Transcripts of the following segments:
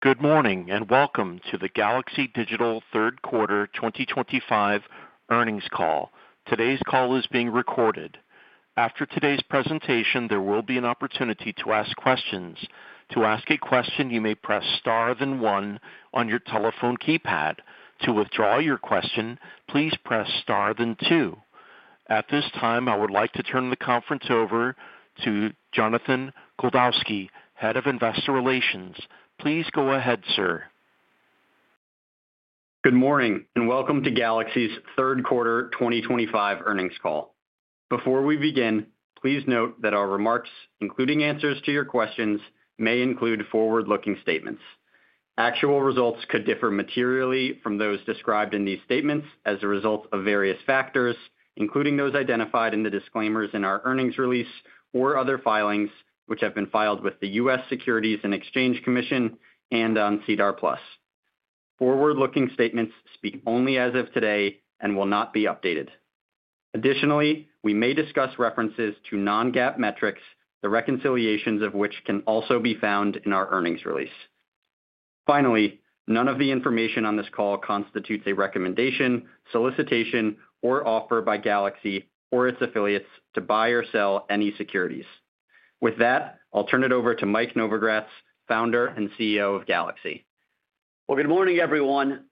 Good morning and welcome to the Galaxy Digital Third Quarter 2025 earnings call. Today's call is being recorded. After today's presentation, there will be an opportunity to ask questions. To ask a question, you may press star then one on your telephone keypad. To withdraw your question, please press star then two. At this time, I would like to turn the conference over to Jonathan Goldowsky, Head of Investor Relations. Please go ahead, sir. Good morning and welcome to Galaxy Digital's Third Quarter 2025 earnings call. Before we begin, please note that our remarks, including answers to your questions, may include forward-looking statements. Actual results could differ materially from those described in these statements as a result of various factors, including those identified in the disclaimers in our earnings release or other filings which have been filed with the U.S. Securities and Exchange Commission and on CDAR Plus. Forward-looking statements speak only as of today and will not be updated. Additionally, we may discuss references to non-GAAP metrics, the reconciliations of which can also be found in our earnings release. Finally, none of the information on this call constitutes a recommendation, solicitation, or offer by Galaxy Digital or its affiliates to buy or sell any securities. With that, I'll turn it over to Michael Novogratz, Founder and CEO of Galaxy Digital. Good morning, everyone.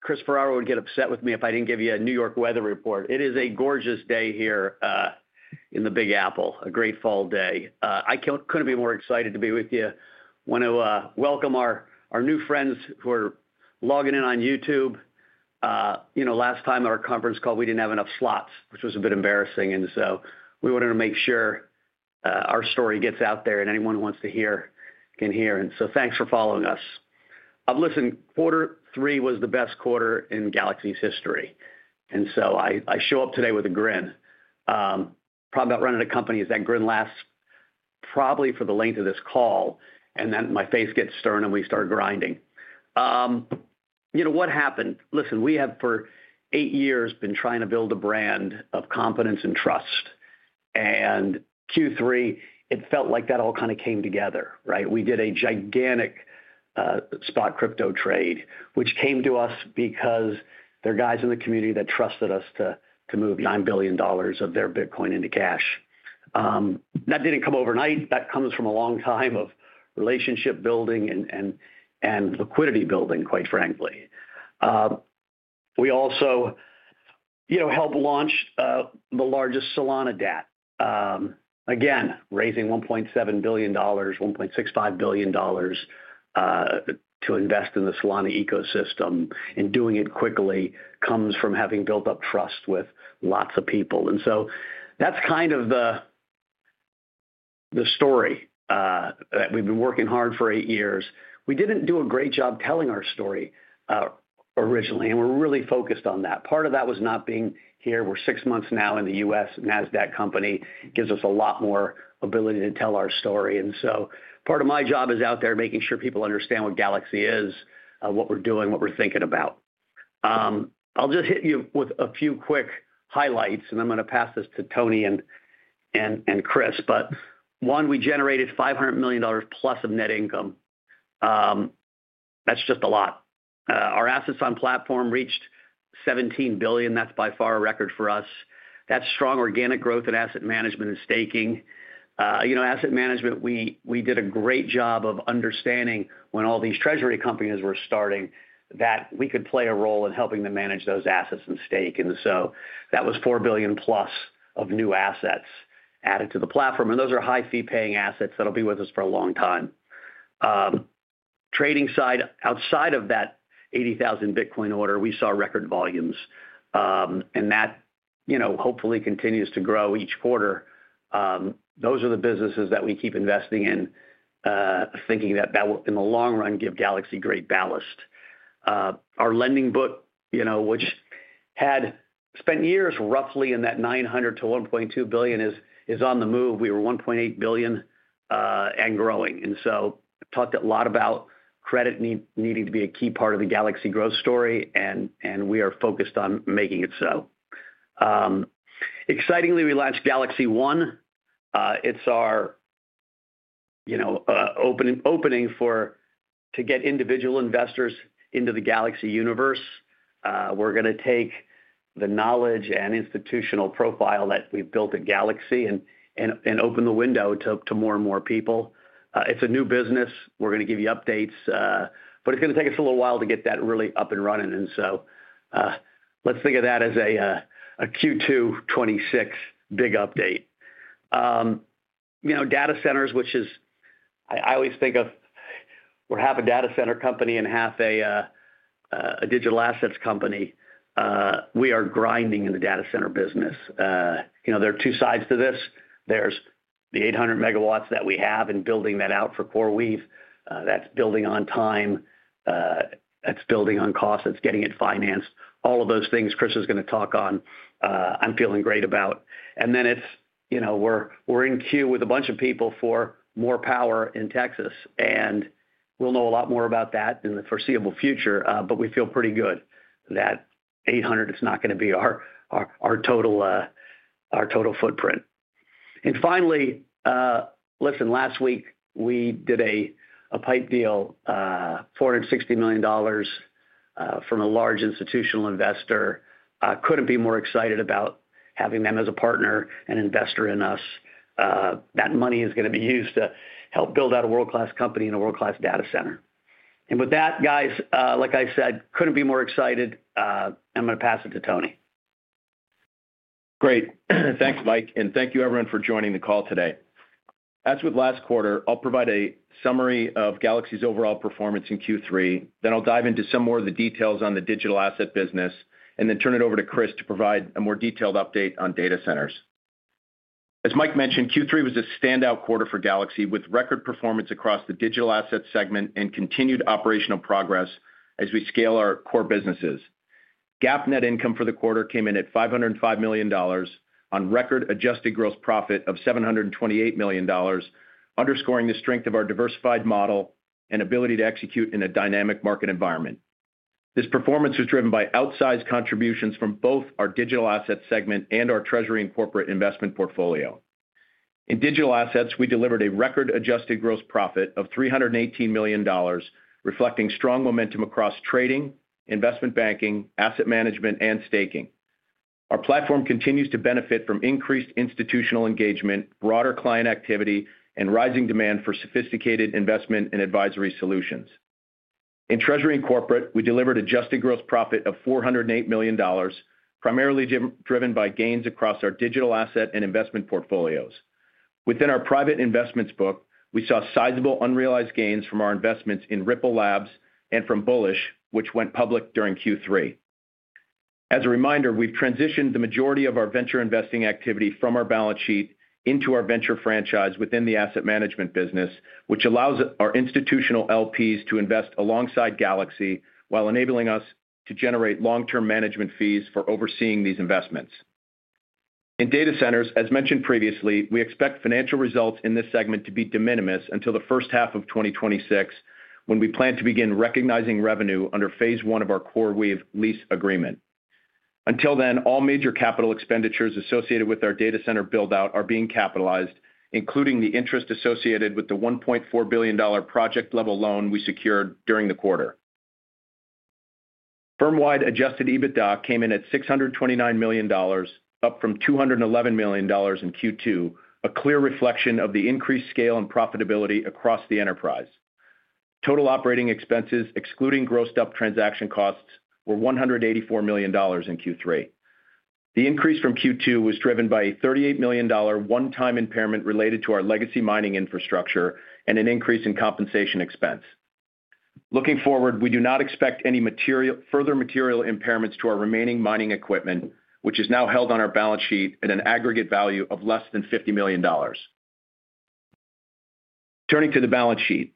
Chris Ferraro would get upset with me if I did not give you a New York weather report. It is a gorgeous day here in the Big Apple, a great fall day. I could not be more excited to be with you. I want to welcome our new friends who are logging in on YouTube. Last time at our conference call, we did not have enough slots, which was a bit embarrassing, and we wanted to make sure our story gets out there and anyone who wants to hear can hear. Thanks for following us. I have listened. Quarter three was the best quarter in Galaxy Digital's history. I show up today with a grin. The problem about running a company is that grin lasts probably for the length of this call, and then my face gets stern and we start grinding. What happened? We have for eight years been trying to build a brand of confidence and trust. In Q3, it felt like that all kind of came together, right? We did a gigantic spot crypto trade, which came to us because there are guys in the community that trusted us to move $9 billion of their Bitcoin into cash. That did not come overnight. That comes from a long time of relationship building and liquidity building, quite frankly. We also helped launch the largest Solana dapp, again, raising $1.7 billion, $1.65 billion, to invest in the Solana ecosystem. Doing it quickly comes from having built up trust with lots of people. That is kind of the story that we have been working hard for eight years. We did not do a great job telling our story originally, and we are really focused on that. Part of that was not being here. We are six months now in the U.S. NASDAQ company gives us a lot more ability to tell our story. Part of my job is out there making sure people understand what Galaxy Digital is, what we are doing, what we are thinking about. I will just hit you with a few quick highlights, and I am going to pass this to Tony and Chris. One, we generated $500 million plus of net income. That is just a lot. Our assets on platform reached $17 billion. That is by far a record for us. That is strong organic growth in asset management and staking. Asset management, we did a great job of understanding when all these treasury companies were starting that we could play a role in helping them manage those assets and stake. That was $4 billion plus of new assets added to the platform. Those are high-fee paying assets that will be with us for a long time. Trading side, outside of that 80,000 Bitcoin order, we saw record volumes, and that, you know, hopefully continues to grow each quarter. Those are the businesses that we keep investing in, thinking that that will, in the long run, give Galaxy great ballast. Our lending book, you know, which had spent years roughly in that $900 million to $1.2 billion, is on the move. We were $1.8 billion, and growing. I've talked a lot about credit needing to be a key part of the Galaxy growth story, and we are focused on making it so. Excitingly, we launched Galaxy One. It's our, you know, opening to get individual investors into the Galaxy universe. We're going to take the knowledge and institutional profile that we've built at Galaxy and open the window to more and more people. It's a new business. We're going to give you updates, but it's going to take us a little while to get that really up and running. Let's think of that as a Q2 2026 big update. You know, data centers, which is, I always think of, we're half a data center company and half a digital assets company. We are grinding in the data center business. You know, there are two sides to this. There's the 800 megawatts that we have and building that out for CoreWeave. That's building on time. That's building on cost. That's getting it financed. All of those things Chris is going to talk on. I'm feeling great about it. Then it's, you know, we're in queue with a bunch of people for more power in Texas, and we'll know a lot more about that in the foreseeable future. We feel pretty good that 800 is not going to be our total footprint. Finally, listen, last week we did a PIPE deal, $460 million, from a large institutional investor. Couldn't be more excited about having them as a partner and investor in us. That money is going to be used to help build out a world-class company and a world-class data center. With that, guys, like I said, couldn't be more excited. I'm going to pass it to Tony. Great. Thanks, Mike. Thank you, everyone, for joining the call today. As with last quarter, I'll provide a summary of Galaxy Digital's overall performance in Q3. Then I'll dive into some more of the details on the digital asset business and turn it over to Chris to provide a more detailed update on data centers. As Mike mentioned, Q3 was a standout quarter for Galaxy Digital with record performance across the digital asset segment and continued operational progress as we scale our core businesses. GAAP net income for the quarter came in at $505 million on record adjusted gross profit of $728 million, underscoring the strength of our diversified model and ability to execute in a dynamic market environment. This performance was driven by outsized contributions from both our digital asset segment and our treasury and corporate investment portfolio. In digital assets, we delivered a record adjusted gross profit of $318 million, reflecting strong momentum across trading, investment banking, asset management, and staking. Our platform continues to benefit from increased institutional engagement, broader client activity, and rising demand for sophisticated investment and advisory solutions. In treasury and corporate, we delivered an adjusted gross profit of $408 million, primarily driven by gains across our digital asset and investment portfolios. Within our private investments book, we saw sizable unrealized gains from our investments in Ripple Labs and from Bullish, which went public during Q3. As a reminder, we've transitioned the majority of our venture investing activity from our balance sheet into our venture franchise within the asset management business, which allows our institutional LPs to invest alongside Galaxy Digital while enabling us to generate long-term management fees for overseeing these investments. In data centers, as mentioned previously, we expect financial results in this segment to be de minimis until the first half of 2026, when we plan to begin recognizing revenue under phase one of our CoreWeave lease agreement. Until then, all major capital expenditures associated with our data center build-out are being capitalized, including the interest associated with the $1.4 billion project-level loan we secured during the quarter. Firm-wide adjusted EBITDA came in at $629 million, up from $211 million in Q2, a clear reflection of the increased scale and profitability across the enterprise. Total operating expenses, excluding grossed-up transaction costs, were $184 million in Q3. The increase from Q2 was driven by a $38 million one-time impairment related to our legacy mining infrastructure and an increase in compensation expense. Looking forward, we do not expect any further material impairments to our remaining mining equipment, which is now held on our balance sheet at an aggregate value of less than $50 million. Turning to the balance sheet,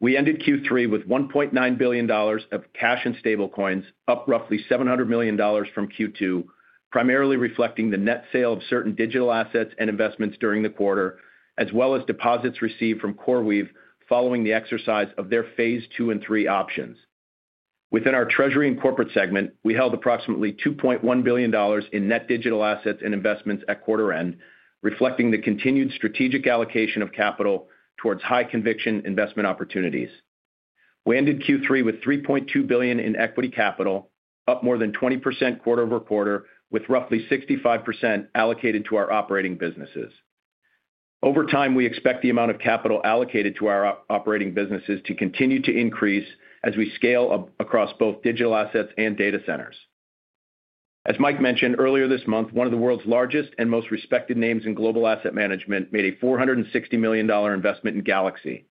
we ended Q3 with $1.9 billion of cash and stablecoins, up roughly $700 million from Q2, primarily reflecting the net sale of certain digital assets and investments during the quarter, as well as deposits received from CoreWeave following the exercise of their phase two and three options. Within our treasury and corporate segment, we held approximately $2.1 billion in net digital assets and investments at quarter end, reflecting the continued strategic allocation of capital towards high-conviction investment opportunities. We ended Q3 with $3.2 billion in equity capital, up more than 20% quarter over quarter, with roughly 65% allocated to our operating businesses. Over time, we expect the amount of capital allocated to our operating businesses to continue to increase as we scale across both digital assets and data centers. As Mike mentioned earlier this month, one of the world's largest and most respected names in global asset management made a $460 million investment in Galaxy.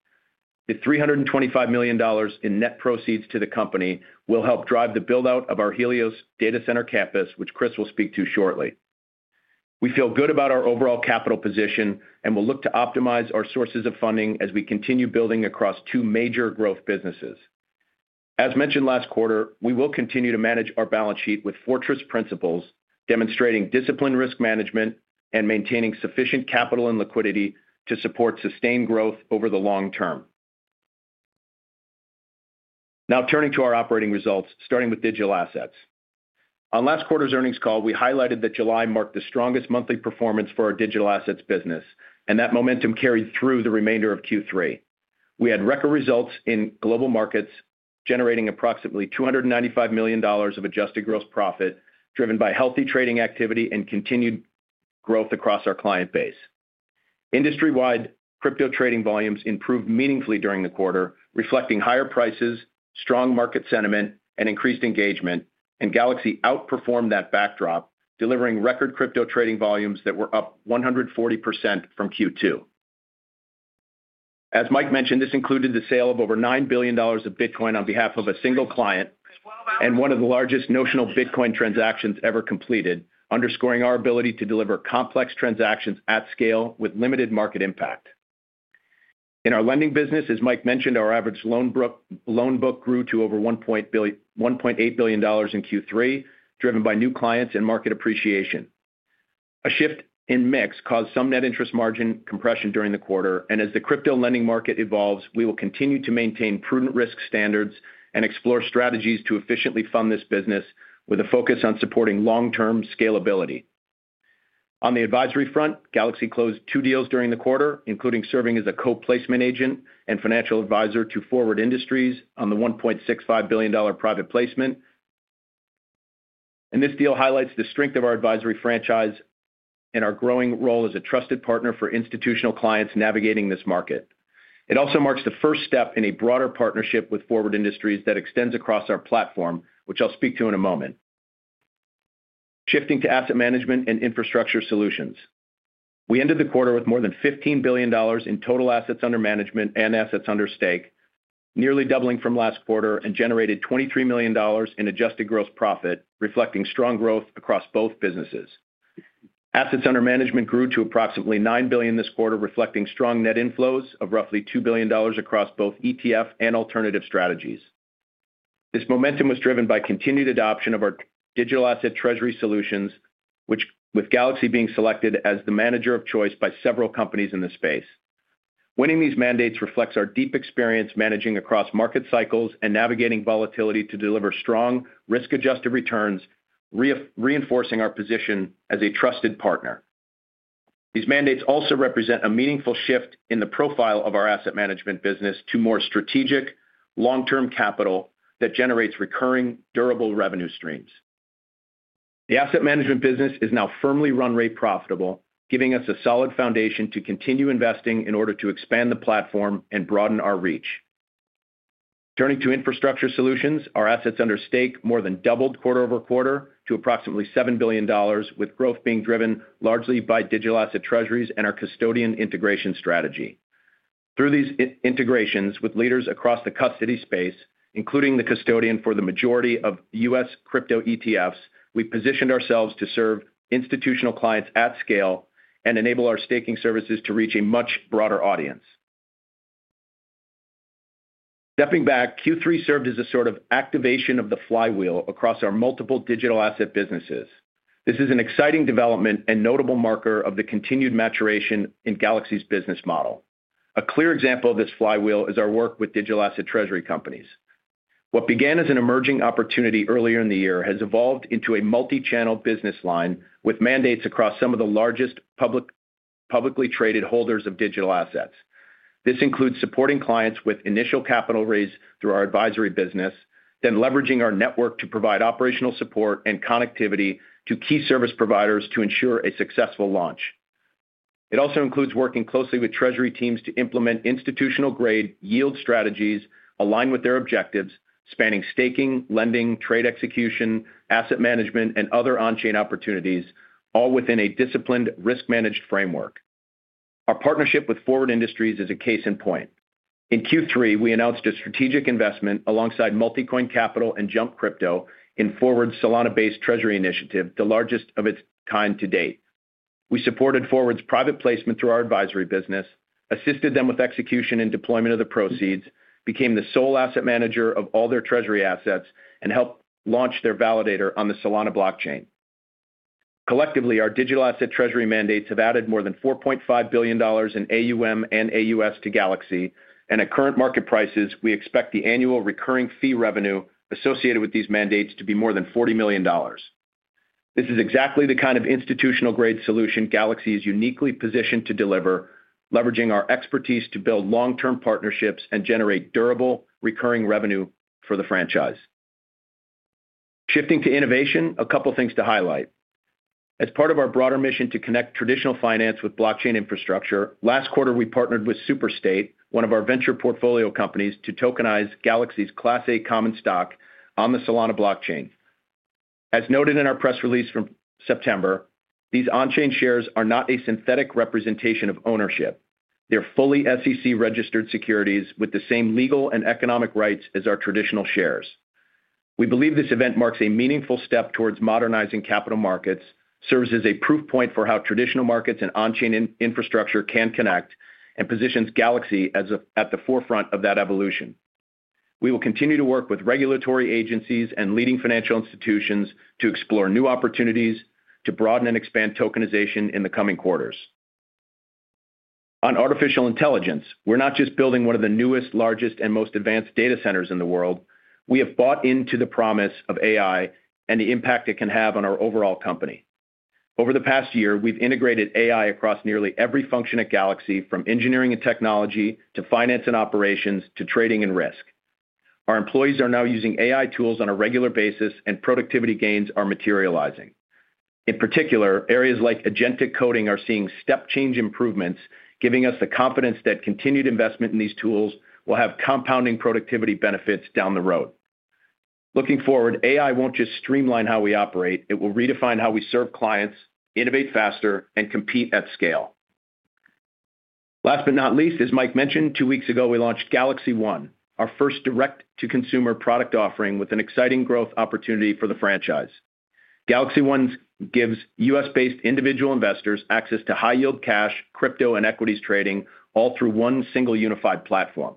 The $325 million in net proceeds to the company will help drive the build-out of our Helios data center campus, which Chris will speak to shortly. We feel good about our overall capital position and will look to optimize our sources of funding as we continue building across two major growth businesses. As mentioned last quarter, we will continue to manage our balance sheet with fortress principles, demonstrating disciplined risk management and maintaining sufficient capital and liquidity to support sustained growth over the long term. Now turning to our operating results, starting with digital assets. On last quarter's earnings call, we highlighted that July marked the strongest monthly performance for our digital assets business, and that momentum carried through the remainder of Q3. We had record results in global markets, generating approximately $295 million of adjusted gross profit, driven by healthy trading activity and continued growth across our client base. Industry-wide crypto trading volumes improved meaningfully during the quarter, reflecting higher prices, strong market sentiment, and increased engagement. Galaxy outperformed that backdrop, delivering record crypto trading volumes that were up 140% from Q2. As Mike mentioned, this included the sale of over $9 billion of Bitcoin on behalf of a single client and one of the largest notional Bitcoin transactions ever completed, underscoring our ability to deliver complex transactions at scale with limited market impact. In our lending business, as Mike mentioned, our average loan book grew to over $1.8 billion in Q3, driven by new clients and market appreciation. A shift in mix caused some net interest margin compression during the quarter, and as the crypto lending market evolves, we will continue to maintain prudent risk standards and explore strategies to efficiently fund this business with a focus on supporting long-term scalability. On the advisory front, Galaxy closed two deals during the quarter, including serving as a co-placement agent and financial advisor to Forward Industries on the $1.65 billion private placement. This deal highlights the strength of our advisory franchise and our growing role as a trusted partner for institutional clients navigating this market. It also marks the first step in a broader partnership with Forward Industries that extends across our platform, which I'll speak to in a moment. Shifting to asset management and infrastructure solutions, we ended the quarter with more than $15 billion in total assets under management and assets under stake, nearly doubling from last quarter, and generated $23 million in adjusted gross profit, reflecting strong growth across both businesses. Assets under management grew to approximately $9 billion this quarter, reflecting strong net inflows of roughly $2 billion across both ETF and alternative strategies. This momentum was driven by continued adoption of our digital asset treasury solutions, with Galaxy being selected as the manager of choice by several companies in this space. Winning these mandates reflects our deep experience managing across market cycles and navigating volatility to deliver strong risk-adjusted returns, reinforcing our position as a trusted partner. These mandates also represent a meaningful shift in the profile of our asset management business to more strategic, long-term capital that generates recurring, durable revenue streams. The asset management business is now firmly run rate profitable, giving us a solid foundation to continue investing in order to expand the platform and broaden our reach. Turning to infrastructure solutions, our assets under stake more than doubled quarter over quarter to approximately $7 billion, with growth being driven largely by digital asset treasuries and our custodian integration strategy. Through these integrations with leaders across the custody space, including the custodian for the majority of U.S. crypto ETFs, we positioned ourselves to serve institutional clients at scale and enable our staking services to reach a much broader audience. Stepping back, Q3 served as a sort of activation of the flywheel across our multiple digital asset businesses. This is an exciting development and notable marker of the continued maturation in Galaxy Digital's business model. A clear example of this flywheel is our work with digital asset treasury companies. What began as an emerging opportunity earlier in the year has evolved into a multi-channel business line with mandates across some of the largest publicly traded holders of digital assets. This includes supporting clients with initial capital raise through our advisory business, then leveraging our network to provide operational support and connectivity to key service providers to ensure a successful launch. It also includes working closely with treasury teams to implement institutional-grade yield strategies aligned with their objectives, spanning staking, lending, trade execution, asset management, and other on-chain opportunities, all within a disciplined risk-managed framework. Our partnership with Forward Industries is a case in point. In Q3, we announced a strategic investment alongside Multicoin Capital and Jump Crypto in Forward Industries' Solana-based treasury initiative, the largest of its kind to date. We supported Forward Industries' private placement through our advisory business, assisted them with execution and deployment of the proceeds, became the sole asset manager of all their treasury assets, and helped launch their validator on the Solana blockchain. Collectively, our digital asset treasury mandates have added more than $4.5 billion in AUM and AUS to Galaxy Digital, and at current market prices, we expect the annual recurring fee revenue associated with these mandates to be more than $40 million. This is exactly the kind of institutional-grade solution Galaxy is uniquely positioned to deliver, leveraging our expertise to build long-term partnerships and generate durable recurring revenue for the franchise. Shifting to innovation, a couple of things to highlight. As part of our broader mission to connect traditional finance with blockchain infrastructure, last quarter we partnered with SuperState, one of our venture portfolio companies, to tokenize Galaxy's Class A common stock on the Solana blockchain. As noted in our press release from September, these on-chain shares are not a synthetic representation of ownership. They're fully SEC-registered securities with the same legal and economic rights as our traditional shares. We believe this event marks a meaningful step towards modernizing capital markets, serves as a proof point for how traditional markets and on-chain infrastructure can connect, and positions Galaxy at the forefront of that evolution. We will continue to work with regulatory agencies and leading financial institutions to explore new opportunities to broaden and expand tokenization in the coming quarters. On artificial intelligence, we're not just building one of the newest, largest, and most advanced data centers in the world. We have bought into the promise of AI and the impact it can have on our overall company. Over the past year, we've integrated AI across nearly every function at Galaxy, from engineering and technology to finance and operations to trading and risk. Our employees are now using AI tools on a regular basis, and productivity gains are materializing. In particular, areas like agentic coding are seeing step change improvements, giving us the confidence that continued investment in these tools will have compounding productivity benefits down the road. Looking forward, AI won't just streamline how we operate. It will redefine how we serve clients, innovate faster, and compete at scale. Last but not least, as Mike mentioned, two weeks ago, we launched Galaxy One, our first direct-to-consumer product offering with an exciting growth opportunity for the franchise. Galaxy One gives U.S.-based individual investors access to high-yield cash, crypto, and equities trading all through one single unified platform.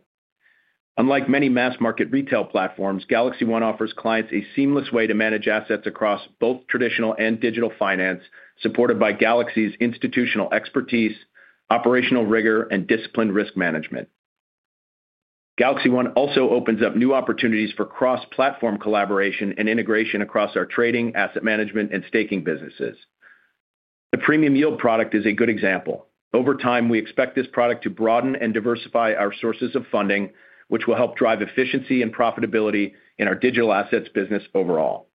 Unlike many mass-market retail platforms, Galaxy One offers clients a seamless way to manage assets across both traditional and digital finance, supported by Galaxy's institutional expertise, operational rigor, and disciplined risk management. Galaxy One also opens up new opportunities for cross-platform collaboration and integration across our trading, asset management, and staking businesses. The premium yield product is a good example. Over time, we expect this product to broaden and diversify our sources of funding, which will help drive efficiency and profitability in our digital assets business overall.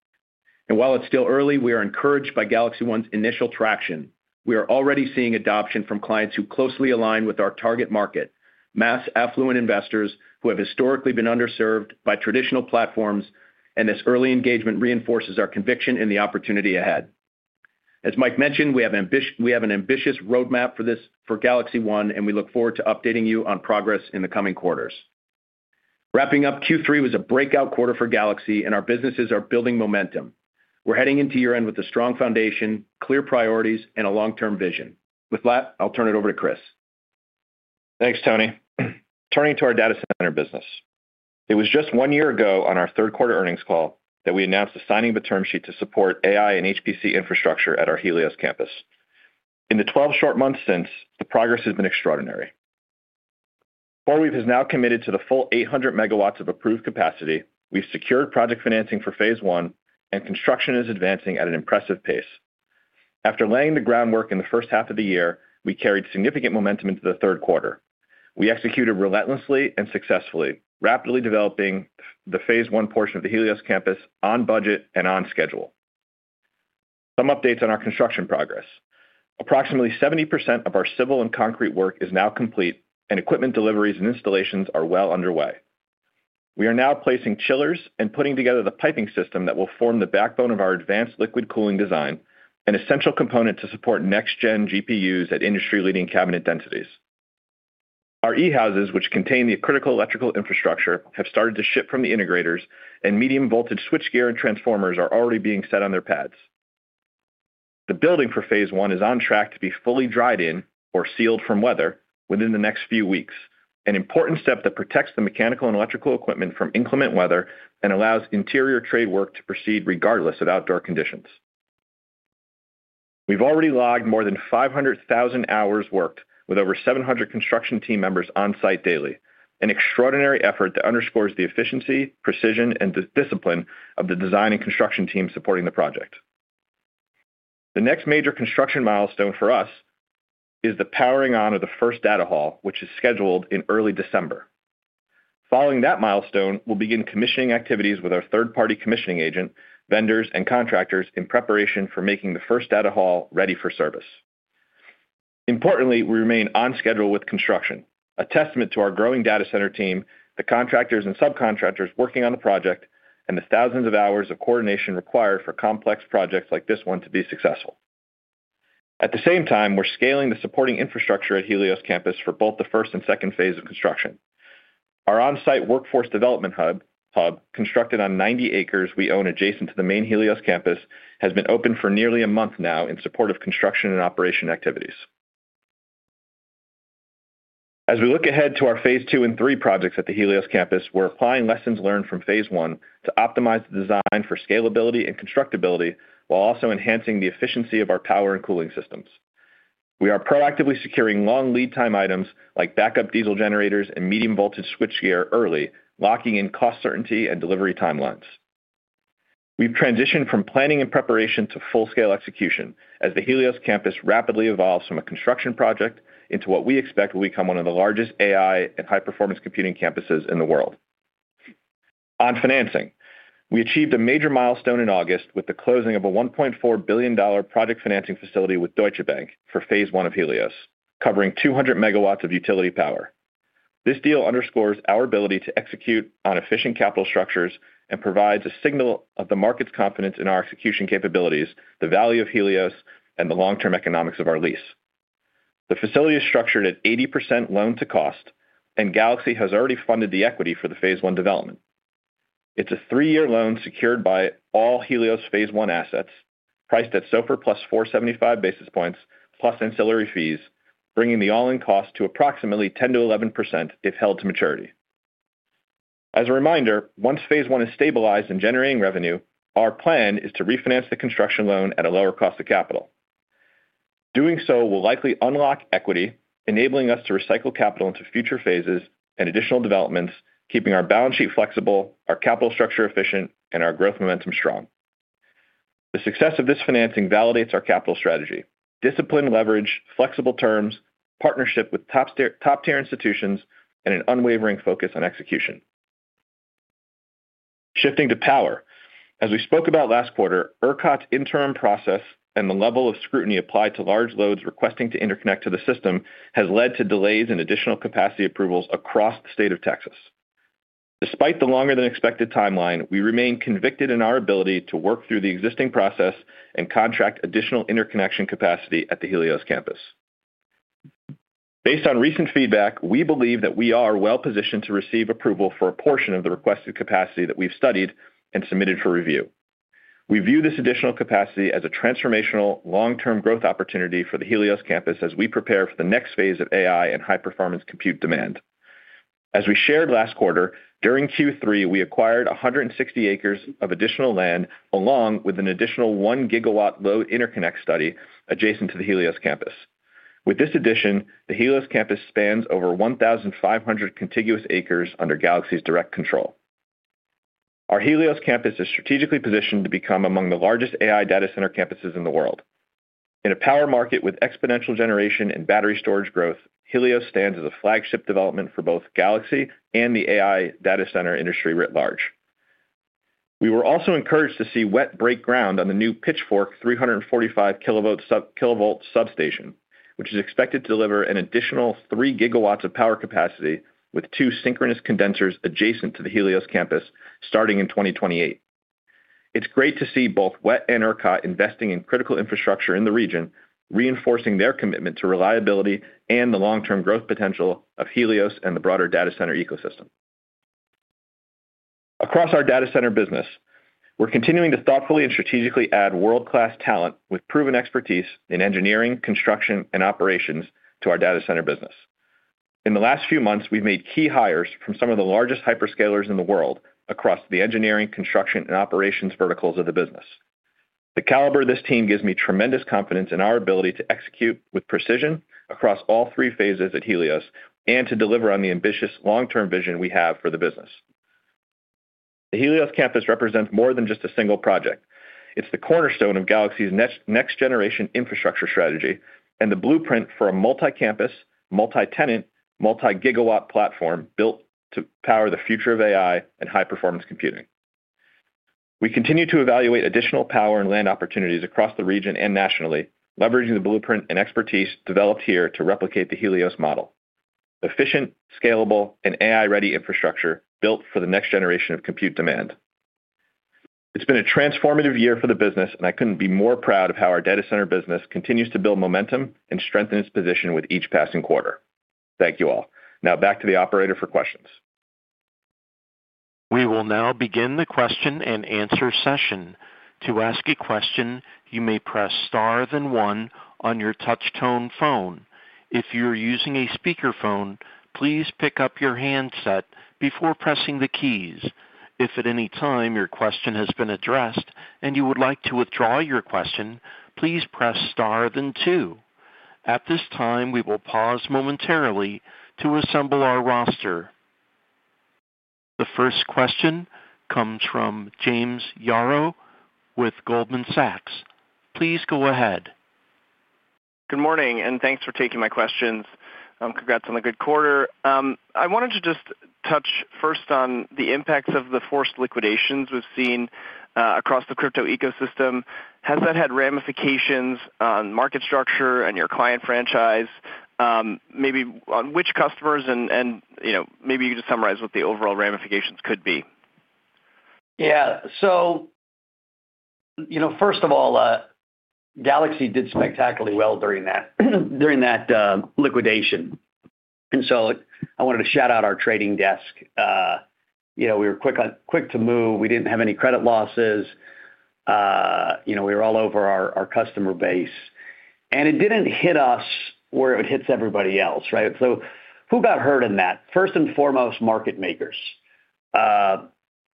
While it's still early, we are encouraged by Galaxy One's initial traction. We are already seeing adoption from clients who closely align with our target market, mass affluent investors who have historically been underserved by traditional platforms, and this early engagement reinforces our conviction in the opportunity ahead. As Mike mentioned, we have an ambitious roadmap for this for Galaxy One, and we look forward to updating you on progress in the coming quarters. Wrapping up, Q3 was a breakout quarter for Galaxy, and our businesses are building momentum. We're heading into year end with a strong foundation, clear priorities, and a long-term vision. With that, I'll turn it over to Chris. Thanks, Tony. Turning to our data center business, it was just one year ago on our third quarter earnings call that we announced the signing of a term sheet to support AI and HPC infrastructure at our Helios campus. In the 12 short months since, the progress has been extraordinary. CoreWeave has now committed to the full 800 megawatts of approved capacity. We've secured project financing for phase one, and construction is advancing at an impressive pace. After laying the groundwork in the first half of the year, we carried significant momentum into the third quarter. We executed relentlessly and successfully, rapidly developing the phase one portion of the Helios campus on budget and on schedule. Some updates on our construction progress. Approximately 70% of our civil and concrete work is now complete, and equipment deliveries and installations are well underway. We are now placing chillers and putting together the piping system that will form the backbone of our advanced liquid cooling design, an essential component to support next-gen GPUs at industry-leading cabinet densities. Our e-houses, which contain the critical electrical infrastructure, have started to ship from the integrators, and medium voltage switchgear and transformers are already being set on their pads. The building for phase one is on track to be fully dried in or sealed from weather within the next few weeks, an important step that protects the mechanical and electrical equipment from inclement weather and allows interior trade work to proceed regardless of outdoor conditions. We've already logged more than 500,000 hours worked with over 700 construction team members on site daily, an extraordinary effort that underscores the efficiency, precision, and discipline of the design and construction team supporting the project. The next major construction milestone for us is the powering on of the first data hall, which is scheduled in early December. Following that milestone, we'll begin commissioning activities with our third-party commissioning agent, vendors, and contractors in preparation for making the first data hall ready for service. Importantly, we remain on schedule with construction, a testament to our growing data center team, the contractors and subcontractors working on the project, and the thousands of hours of coordination required for complex projects like this one to be successful. At the same time, we're scaling the supporting infrastructure at Helios campus for both the first and second phase of construction. Our on-site workforce development hub, constructed on 90 acres we own adjacent to the main Helios campus, has been open for nearly a month now in support of construction and operation activities. As we look ahead to our phase two and three projects at the Helios campus, we're applying lessons learned from phase one to optimize the design for scalability and constructability while also enhancing the efficiency of our power and cooling systems. We are proactively securing long lead time items like backup diesel generators and medium voltage switchgear early, locking in cost certainty and delivery timelines. We've transitioned from planning and preparation to full-scale execution as the Helios campus rapidly evolves from a construction project into what we expect will become one of the largest AI and high-performance computing campuses in the world. On financing, we achieved a major milestone in August with the closing of a $1.4 billion project financing facility with Deutsche Bank for phase one of Helios, covering 200 megawatts of utility power. This deal underscores our ability to execute on efficient capital structures and provides a signal of the market's confidence in our execution capabilities, the value of Helios, and the long-term economics of our lease. The facility is structured at 80% loan to cost, and Galaxy has already funded the equity for the phase one development. It's a three-year loan secured by all Helios phase one assets, priced at SOFR plus 475 basis points plus ancillary fees, bringing the all-in cost to approximately 10% to 11% if held to maturity. As a reminder, once phase one is stabilized and generating revenue, our plan is to refinance the construction loan at a lower cost of capital. Doing so will likely unlock equity, enabling us to recycle capital into future phases and additional developments, keeping our balance sheet flexible, our capital structure efficient, and our growth momentum strong. The success of this financing validates our capital strategy: disciplined leverage, flexible terms, partnership with top-tier institutions, and an unwavering focus on execution. Shifting to power, as we spoke about last quarter, ERCOT's interim process and the level of scrutiny applied to large loads requesting to interconnect to the system has led to delays in additional capacity approvals across the state of Texas. Despite the longer than expected timeline, we remain convicted in our ability to work through the existing process and contract additional interconnection capacity at the Helios campus. Based on recent feedback, we believe that we are well-positioned to receive approval for a portion of the requested capacity that we've studied and submitted for review. We view this additional capacity as a transformational long-term growth opportunity for the Helios campus as we prepare for the next phase of AI and high-performance compute demand. As we shared last quarter, during Q3, we acquired 160 acres of additional land along with an additional one gigawatt load interconnect study adjacent to the Helios campus. With this addition, the Helios campus spans over 1,500 contiguous acres under Galaxy's direct control. Our Helios campus is strategically positioned to become among the largest AI data center campuses in the world. In a power market with exponential generation and battery storage growth, Helios stands as a flagship development for both Galaxy Digital and the AI data center industry writ large. We were also encouraged to see WET break ground on the new Pitchfork 345 kilovolt substation, which is expected to deliver an additional three gigawatts of power capacity with two synchronous condensers adjacent to the Helios campus starting in 2028. It's great to see both WET and ERCOT investing in critical infrastructure in the region, reinforcing their commitment to reliability and the long-term growth potential of Helios and the broader data center ecosystem. Across our data center business, we're continuing to thoughtfully and strategically add world-class talent with proven expertise in engineering, construction, and operations to our data center business. In the last few months, we've made key hires from some of the largest hyperscalers in the world across the engineering, construction, and operations verticals of the business. The caliber of this team gives me tremendous confidence in our ability to execute with precision across all three phases at Helios and to deliver on the ambitious long-term vision we have for the business. The Helios campus represents more than just a single project. It's the cornerstone of Galaxy Digital's next-generation infrastructure strategy and the blueprint for a multi-campus, multi-tenant, multi-gigawatt platform built to power the future of AI and high-performance computing. We continue to evaluate additional power and land opportunities across the region and nationally, leveraging the blueprint and expertise developed here to replicate the Helios model. Efficient, scalable, and AI-ready infrastructure built for the next generation of compute demand. It's been a transformative year for the business, and I couldn't be more proud of how our data center business continues to build momentum and strengthen its position with each passing quarter. Thank you all. Now back to the operator for questions. We will now begin the question and answer session. To ask a question, you may press star then one on your touch-tone phone. If you're using a speakerphone, please pick up your handset before pressing the keys. If at any time your question has been addressed and you would like to withdraw your question, please press star then two. At this time, we will pause momentarily to assemble our roster. The first question comes from James Edwin Yaro with Goldman Sachs. Please go ahead. Good morning, and thanks for taking my questions. Congrats on the good quarter. I wanted to just touch first on the impacts of the forced liquidations we've seen across the crypto ecosystem. Has that had ramifications on market structure and your client franchise? Maybe on which customers? Maybe you could just summarize what the overall ramifications could be. Yeah. First of all, Galaxy did spectacularly well during that liquidation. I wanted to shout out our trading desk. We were quick to move. We didn't have any credit losses. We were all over our customer base. It didn't hit us where it hits everybody else, right? Who got hurt in that? First and foremost, market makers.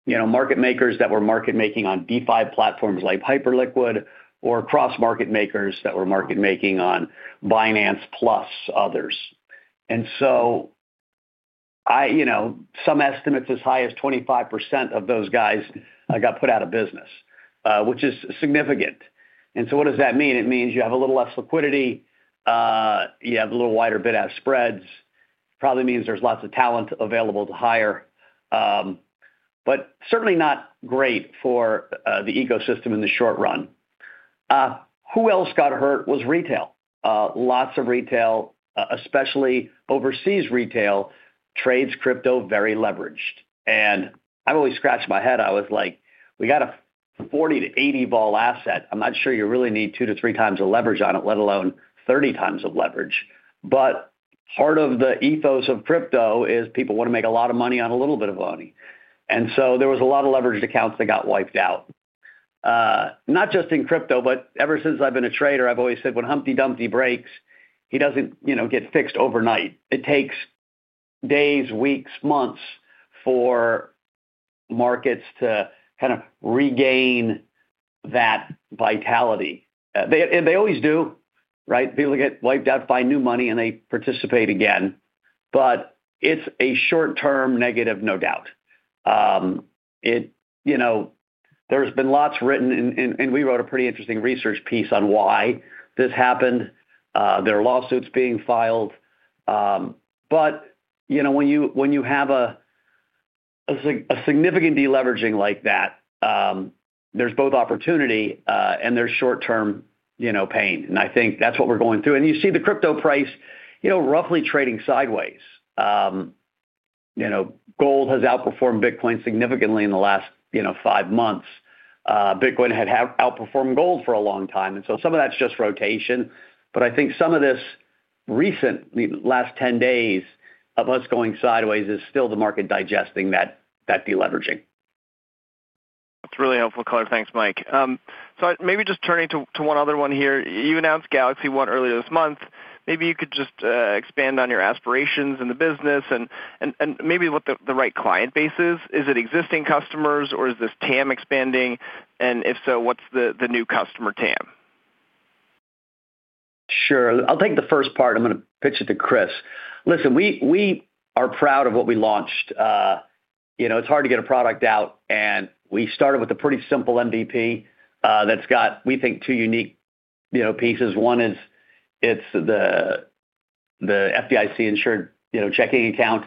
Market makers that were market making on DeFi platforms like Hyperliquid or cross-market makers that were market making on Binance plus others. Some estimates as high as 25% of those guys got put out of business, which is significant. What does that mean? It means you have a little less liquidity. You have a little wider bid-out spreads. Probably means there's lots of talent available to hire, but certainly not great for the ecosystem in the short run. Who else got hurt was retail. Lots of retail, especially overseas retail, trades crypto very leveraged. I always scratch my head. I was like, we got a 40 to 80 vol asset. I'm not sure you really need two to three times the leverage on it, let alone 30 times of leverage. Part of the ethos of crypto is people want to make a lot of money on a little bit of money. There were a lot of leveraged accounts that got wiped out. Not just in crypto, but ever since I've been a trader, I've always said when Humpty Dumpty breaks, he doesn't get fixed overnight. It takes days, weeks, months for markets to kind of regain that vitality. They always do, right? People get wiped out, find new money, and they participate again. It's a short-term negative, no doubt. There's been lots written, and we wrote a pretty interesting research piece on why this happened. There are lawsuits being filed. When you have a significant deleveraging like that, there's both opportunity and there's short-term pain. I think that's what we're going through. You see the crypto price roughly trading sideways. Gold has outperformed Bitcoin significantly in the last five months. Bitcoin had outperformed gold for a long time. Some of that's just rotation. I think some of this recent, the last 10 days of us going sideways is still the market digesting that deleveraging. That's really helpful, Carter. Thanks, Mike. Maybe just turning to one other one here. You announced Galaxy One earlier this month. Maybe you could just expand on your aspirations in the business and maybe what the right client base is. Is it existing customers, or is this TAM expanding? If so, what's the new customer TAM? Sure. I'll take the first part. I'm going to pitch it to Chris. Listen, we are proud of what we launched. You know, it's hard to get a product out. We started with a pretty simple MVP that's got, we think, two unique pieces. One is it's the FDIC-insured checking account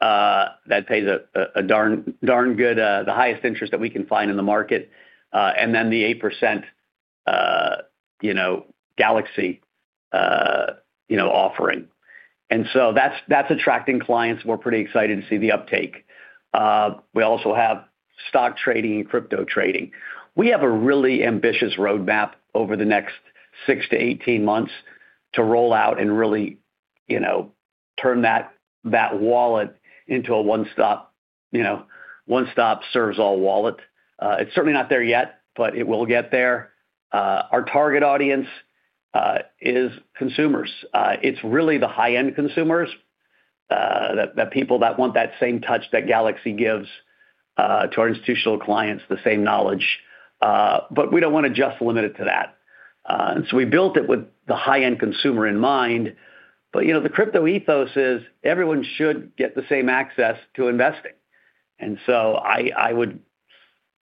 that pays a darn good, the highest interest that we can find in the market. Then the 8% Galaxy offering. That's attracting clients. We're pretty excited to see the uptake. We also have stock trading and crypto trading. We have a really ambitious roadmap over the next 6 to 18 months to roll out and really turn that wallet into a one-stop, you know, one-stop serves-all wallet. It's certainly not there yet, but it will get there. Our target audience is consumers. It's really the high-end consumers, the people that want that same touch that Galaxy gives to our institutional clients, the same knowledge. We don't want to just limit it to that. We built it with the high-end consumer in mind. You know, the crypto ethos is everyone should get the same access to investing. I would,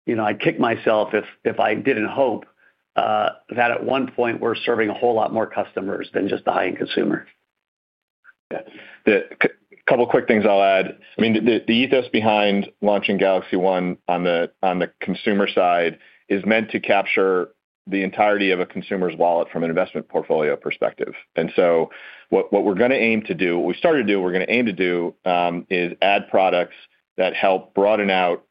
you know, I'd kick myself if I didn't hope that at one point we're serving a whole lot more customers than just the high-end consumer. A couple of quick things I'll add. The ethos behind launching Galaxy One on the consumer side is meant to capture the entirety of a consumer's wallet from an investment portfolio perspective. What we're going to aim to do, what we started to do, is add products that help broaden out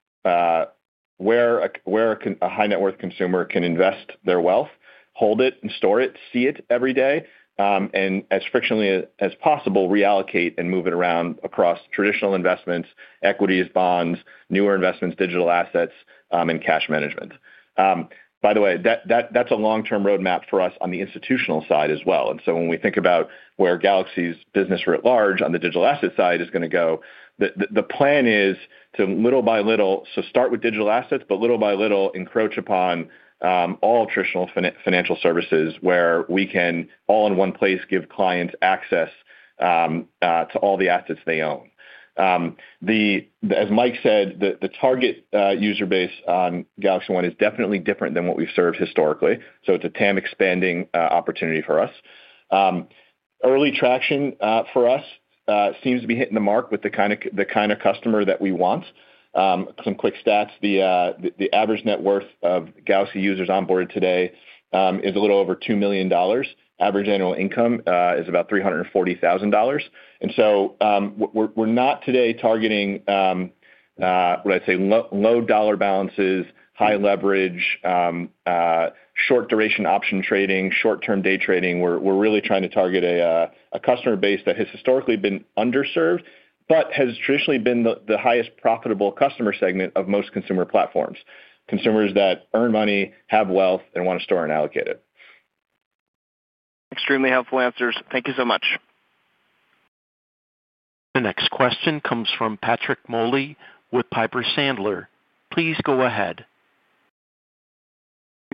where a high net worth consumer can invest their wealth, hold it, and store it, see it every day, and as frictionally as possible, reallocate and move it around across traditional investments, equities, bonds, newer investments, digital assets, and cash management. By the way, that's a long-term roadmap for us on the institutional side as well. When we think about where Galaxy's business at large on the digital asset side is going to go, the plan is to little by little, start with digital assets, but little by little encroach upon all traditional financial services where we can, all in one place, give clients access to all the assets they own. As Mike said, the target user base on Galaxy One is definitely different than what we've served historically. It's a TAM expanding opportunity for us. Early traction for us seems to be hitting the mark with the kind of customer that we want. Some quick stats. The average net worth of Galaxy users onboarded today is a little over $2 million. Average annual income is about $340,000. We're not today targeting, would I say, low dollar balances, high leverage, short duration option trading, short-term day trading. We're really trying to target a customer base that has historically been underserved but has traditionally been the highest profitable customer segment of most consumer platforms, consumers that earn money, have wealth, and want to store and allocate it. Extremely helpful answers. Thank you so much. The next question comes from Patrick Malcolm Moley with Piper Sandler. Please go ahead.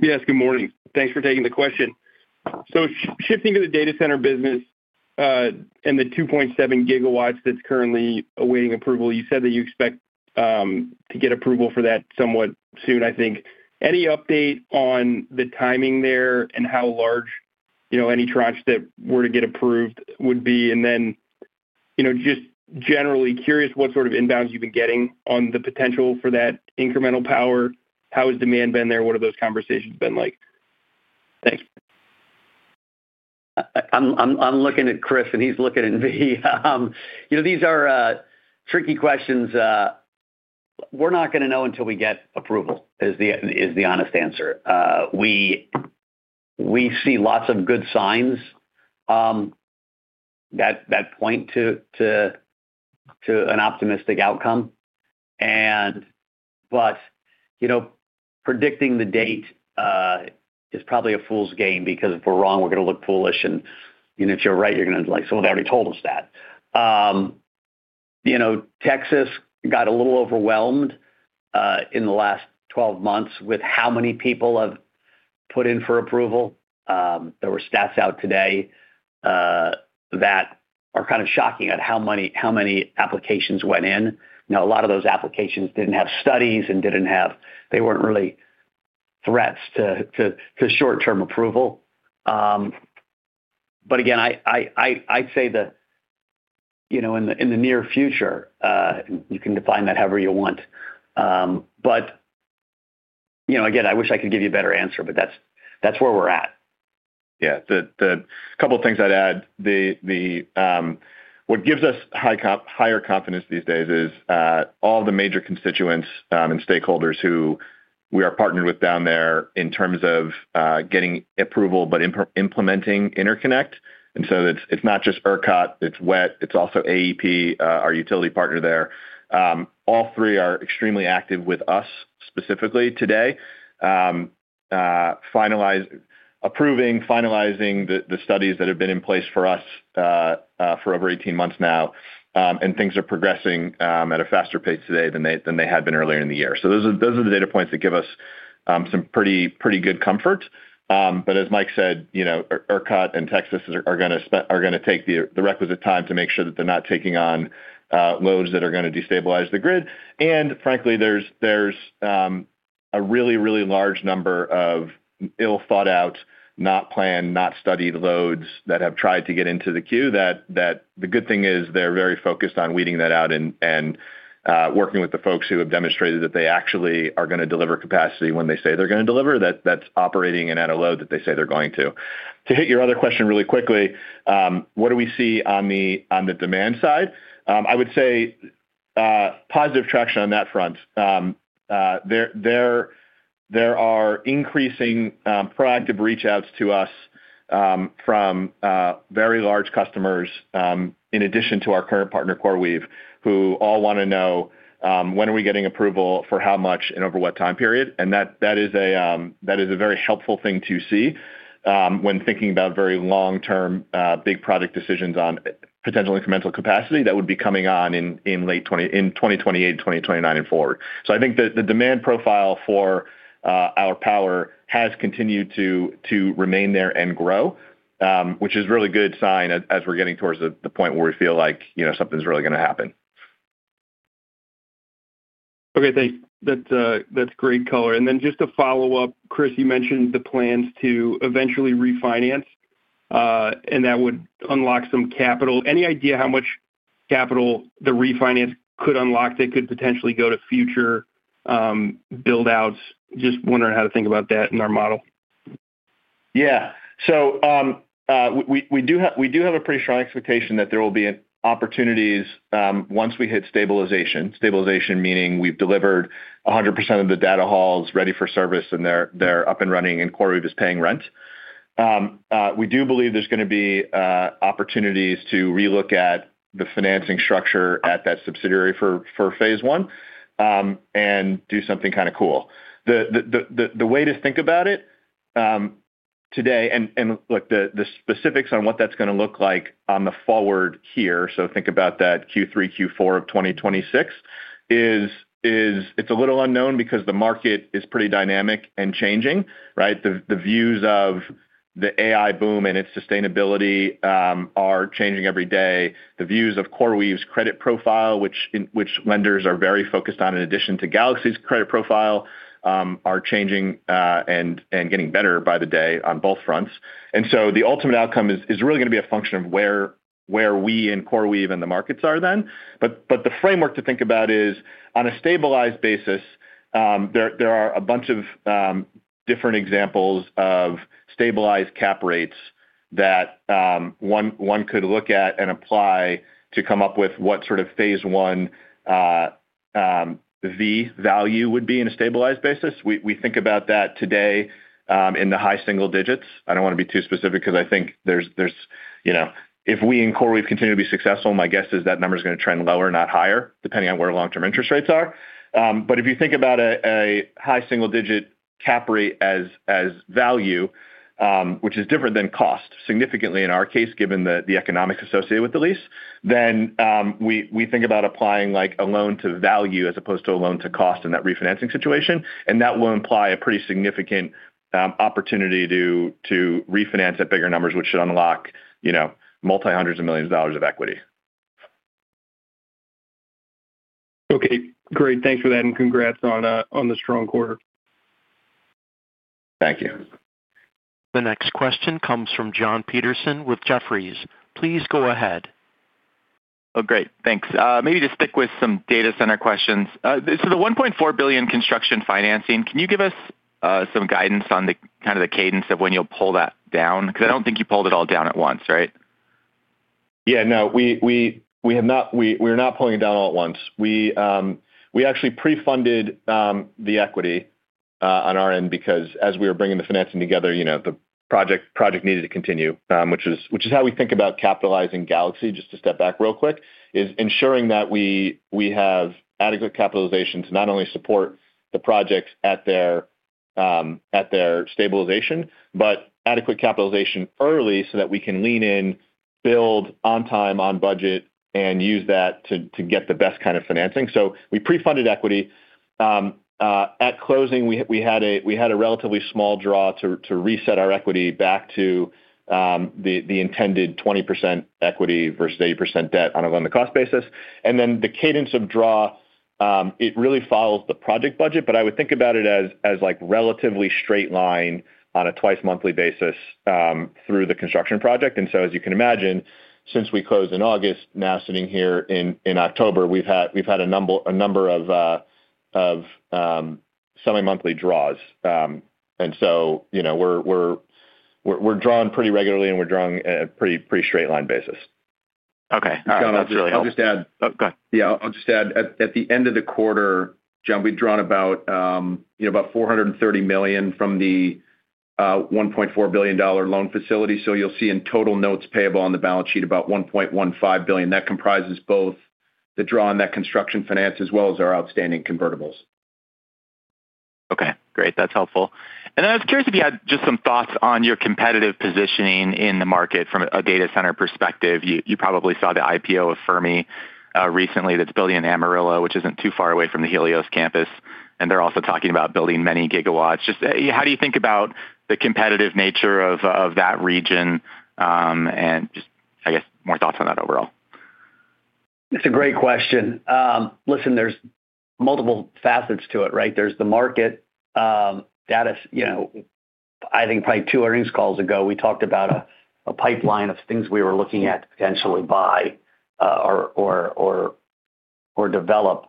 Yes, good morning. Thanks for taking the question. Shifting to the data center business and the 2.7 gigawatts that's currently awaiting approval, you said that you expect to get approval for that somewhat soon, I think. Any update on the timing there and how large, you know, any tranche that were to get approved would be? Just generally curious what sort of inbounds you've been getting on the potential for that incremental power. How has demand been there? What have those conversations been like? Thanks. I'm looking at Chris, and he's looking at me. These are tricky questions. We're not going to know until we get approval is the honest answer. We see lots of good signs that point to an optimistic outcome. Predicting the date is probably a fool's game because if we're wrong, we're going to look foolish. If you're right, you're going to be like, someone already told us that. Texas got a little overwhelmed in the last 12 months with how many people have put in for approval. There were stats out today that are kind of shocking at how many applications went in. A lot of those applications didn't have studies and didn't have, they weren't really threats to short-term approval. I'd say that in the near future, you can define that however you want. I wish I could give you a better answer, but that's where we're at. Yeah, a couple of things I'd add. What gives us higher confidence these days is all the major constituents and stakeholders who we are partnered with down there in terms of getting approval, but implementing interconnect. It's not just ERCOT, it's WET, it's also AEP, our utility partner there. All three are extremely active with us specifically today, approving, finalizing the studies that have been in place for us for over 18 months now. Things are progressing at a faster pace today than they had been earlier in the year. Those are the data points that give us some pretty good comfort. As Mike said, ERCOT and Texas are going to take the requisite time to make sure that they're not taking on loads that are going to destabilize the grid. Frankly, there's a really, really large number of ill-thought-out, not-planned, not-studied loads that have tried to get into the queue. The good thing is they're very focused on weeding that out and working with the folks who have demonstrated that they actually are going to deliver capacity when they say they're going to deliver, that's operating and at a load that they say they're going to. To hit your other question really quickly, what do we see on the demand side? I would say positive traction on that front. There are increasing proactive reach-outs to us from very large customers in addition to our current partner, CoreWeave, who all want to know when are we getting approval for how much and over what time period. That is a very helpful thing to see when thinking about very long-term big project decisions on potential incremental capacity that would be coming on in 2028, 2029, and forward. I think that the demand profile for our power has continued to remain there and grow, which is a really good sign as we're getting towards the point where we feel like something's really going to happen. Okay, thanks. That's great, Carter. Just to follow up, Chris, you mentioned the plans to eventually refinance, and that would unlock some capital. Any idea how much capital the refinance could unlock that could potentially go to future build-outs? Just wondering how to think about that in our model. Yeah. We do have a pretty strong expectation that there will be opportunities once we hit stabilization, stabilization meaning we've delivered 100% of the data halls ready for service and they're up and running and CoreWeave is paying rent. We do believe there's going to be opportunities to relook at the financing structure at that subsidiary for phase one and do something kind of cool. The way to think about it today, and look, the specifics on what that's going to look like on the forward here, so think about that Q3, Q4 of 2026, is it's a little unknown because the market is pretty dynamic and changing, right? The views of the AI boom and its sustainability are changing every day. The views of CoreWeave's credit profile, which lenders are very focused on in addition to Galaxy's credit profile, are changing and getting better by the day on both fronts. The ultimate outcome is really going to be a function of where we in CoreWeave and the markets are then. The framework to think about is on a stabilized basis, there are a bunch of different examples of stabilized cap rates that one could look at and apply to come up with what sort of phase one value would be in a stabilized basis. We think about that today in the high single digits. I don't want to be too specific because I think if we in CoreWeave continue to be successful, my guess is that number is going to trend lower, not higher, depending on where long-term interest rates are. If you think about a high single-digit cap rate as value, which is different than cost significantly in our case, given the economics associated with the lease, then we think about applying a loan to value as opposed to a loan to cost in that refinancing situation. That will imply a pretty significant opportunity to refinance at bigger numbers, which should unlock multi-hundreds of millions of dollars of equity. Okay, great. Thanks for that and congrats on the strong quarter. Thank you. The next question comes from Jonathan Michael Petersen with Jefferies. Please go ahead. Oh, great. Thanks. Maybe just stick with some data center questions. The $1.4 billion construction financing, can you give us some guidance on kind of the cadence of when you'll pull that down? Because I don't think you pulled it all down at once, right? Yeah, no, we are not pulling it down all at once. We actually pre-funded the equity on our end because as we were bringing the financing together, the project needed to continue, which is how we think about capitalizing Galaxy. Just to step back real quick, ensuring that we have adequate capitalization to not only support the project at their stabilization, but adequate capitalization early so that we can lean in, build on time, on budget, and use that to get the best kind of financing. We pre-funded equity. At closing, we had a relatively small draw to reset our equity back to the intended 20% equity versus 80% debt on a lending cost basis. The cadence of draw really follows the project budget, but I would think about it as relatively straight line on a twice monthly basis through the construction project. As you can imagine, since we closed in August, now sitting here in October, we've had a number of semi-monthly draws. We're drawing pretty regularly and we're drawing on a pretty straight line basis. Okay. John, I'll just add, go ahead. Yeah, I'll just add at the end of the quarter, John, we've drawn about $430 million from the $1.4 billion loan facility. You'll see in total notes payable on the balance sheet about $1.15 billion. That comprises both the draw on that construction finance as well as our outstanding convertibles. Okay, great. That's helpful. I was curious if you had just some thoughts on your competitive positioning in the market from a data center perspective. You probably saw the IPO of Fermi recently that's building in Amarillo, which isn't too far away from the Helios campus. They're also talking about building many gigawatts. How do you think about the competitive nature of that region? I guess more thoughts on that overall. That's a great question. Listen, there's multiple facets to it, right? There's the market. I think probably two earnings calls ago, we talked about a pipeline of things we were looking at to potentially buy or develop.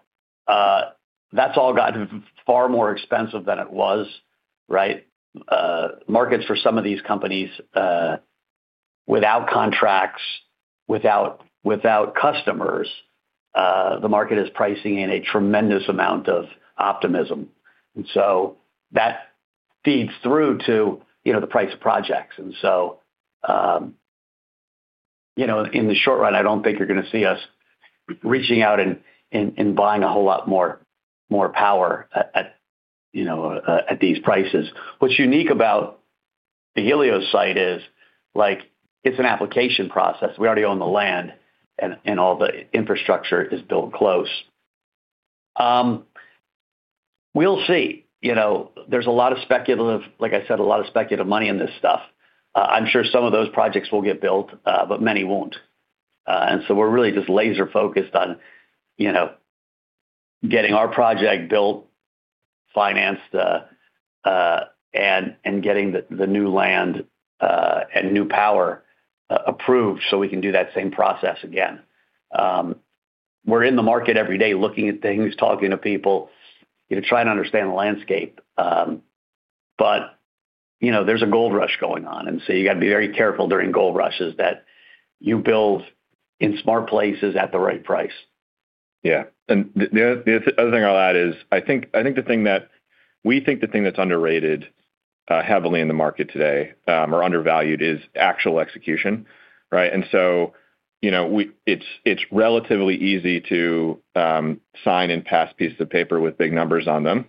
That's all gotten far more expensive than it was, right? Markets for some of these companies, without contracts, without customers, the market is pricing in a tremendous amount of optimism. That feeds through to the price of projects. In the short run, I don't think you're going to see us reaching out and buying a whole lot more power at these prices. What's unique about the Helios site is it's an application process. We already own the land and all the infrastructure is built close. We'll see. There's a lot of speculative, like I said, a lot of speculative money in this stuff. I'm sure some of those projects will get built, but many won't. We're really just laser-focused on getting our project built, financed, and getting the new land and new power approved so we can do that same process again. We're in the market every day looking at things, talking to people, trying to understand the landscape. There's a gold rush going on. You have to be very careful during gold rushes that you build in smart places at the right price. Yeah. The other thing I'll add is I think the thing that's underrated heavily in the market today or undervalued is actual execution, right? It's relatively easy to sign and pass pieces of paper with big numbers on them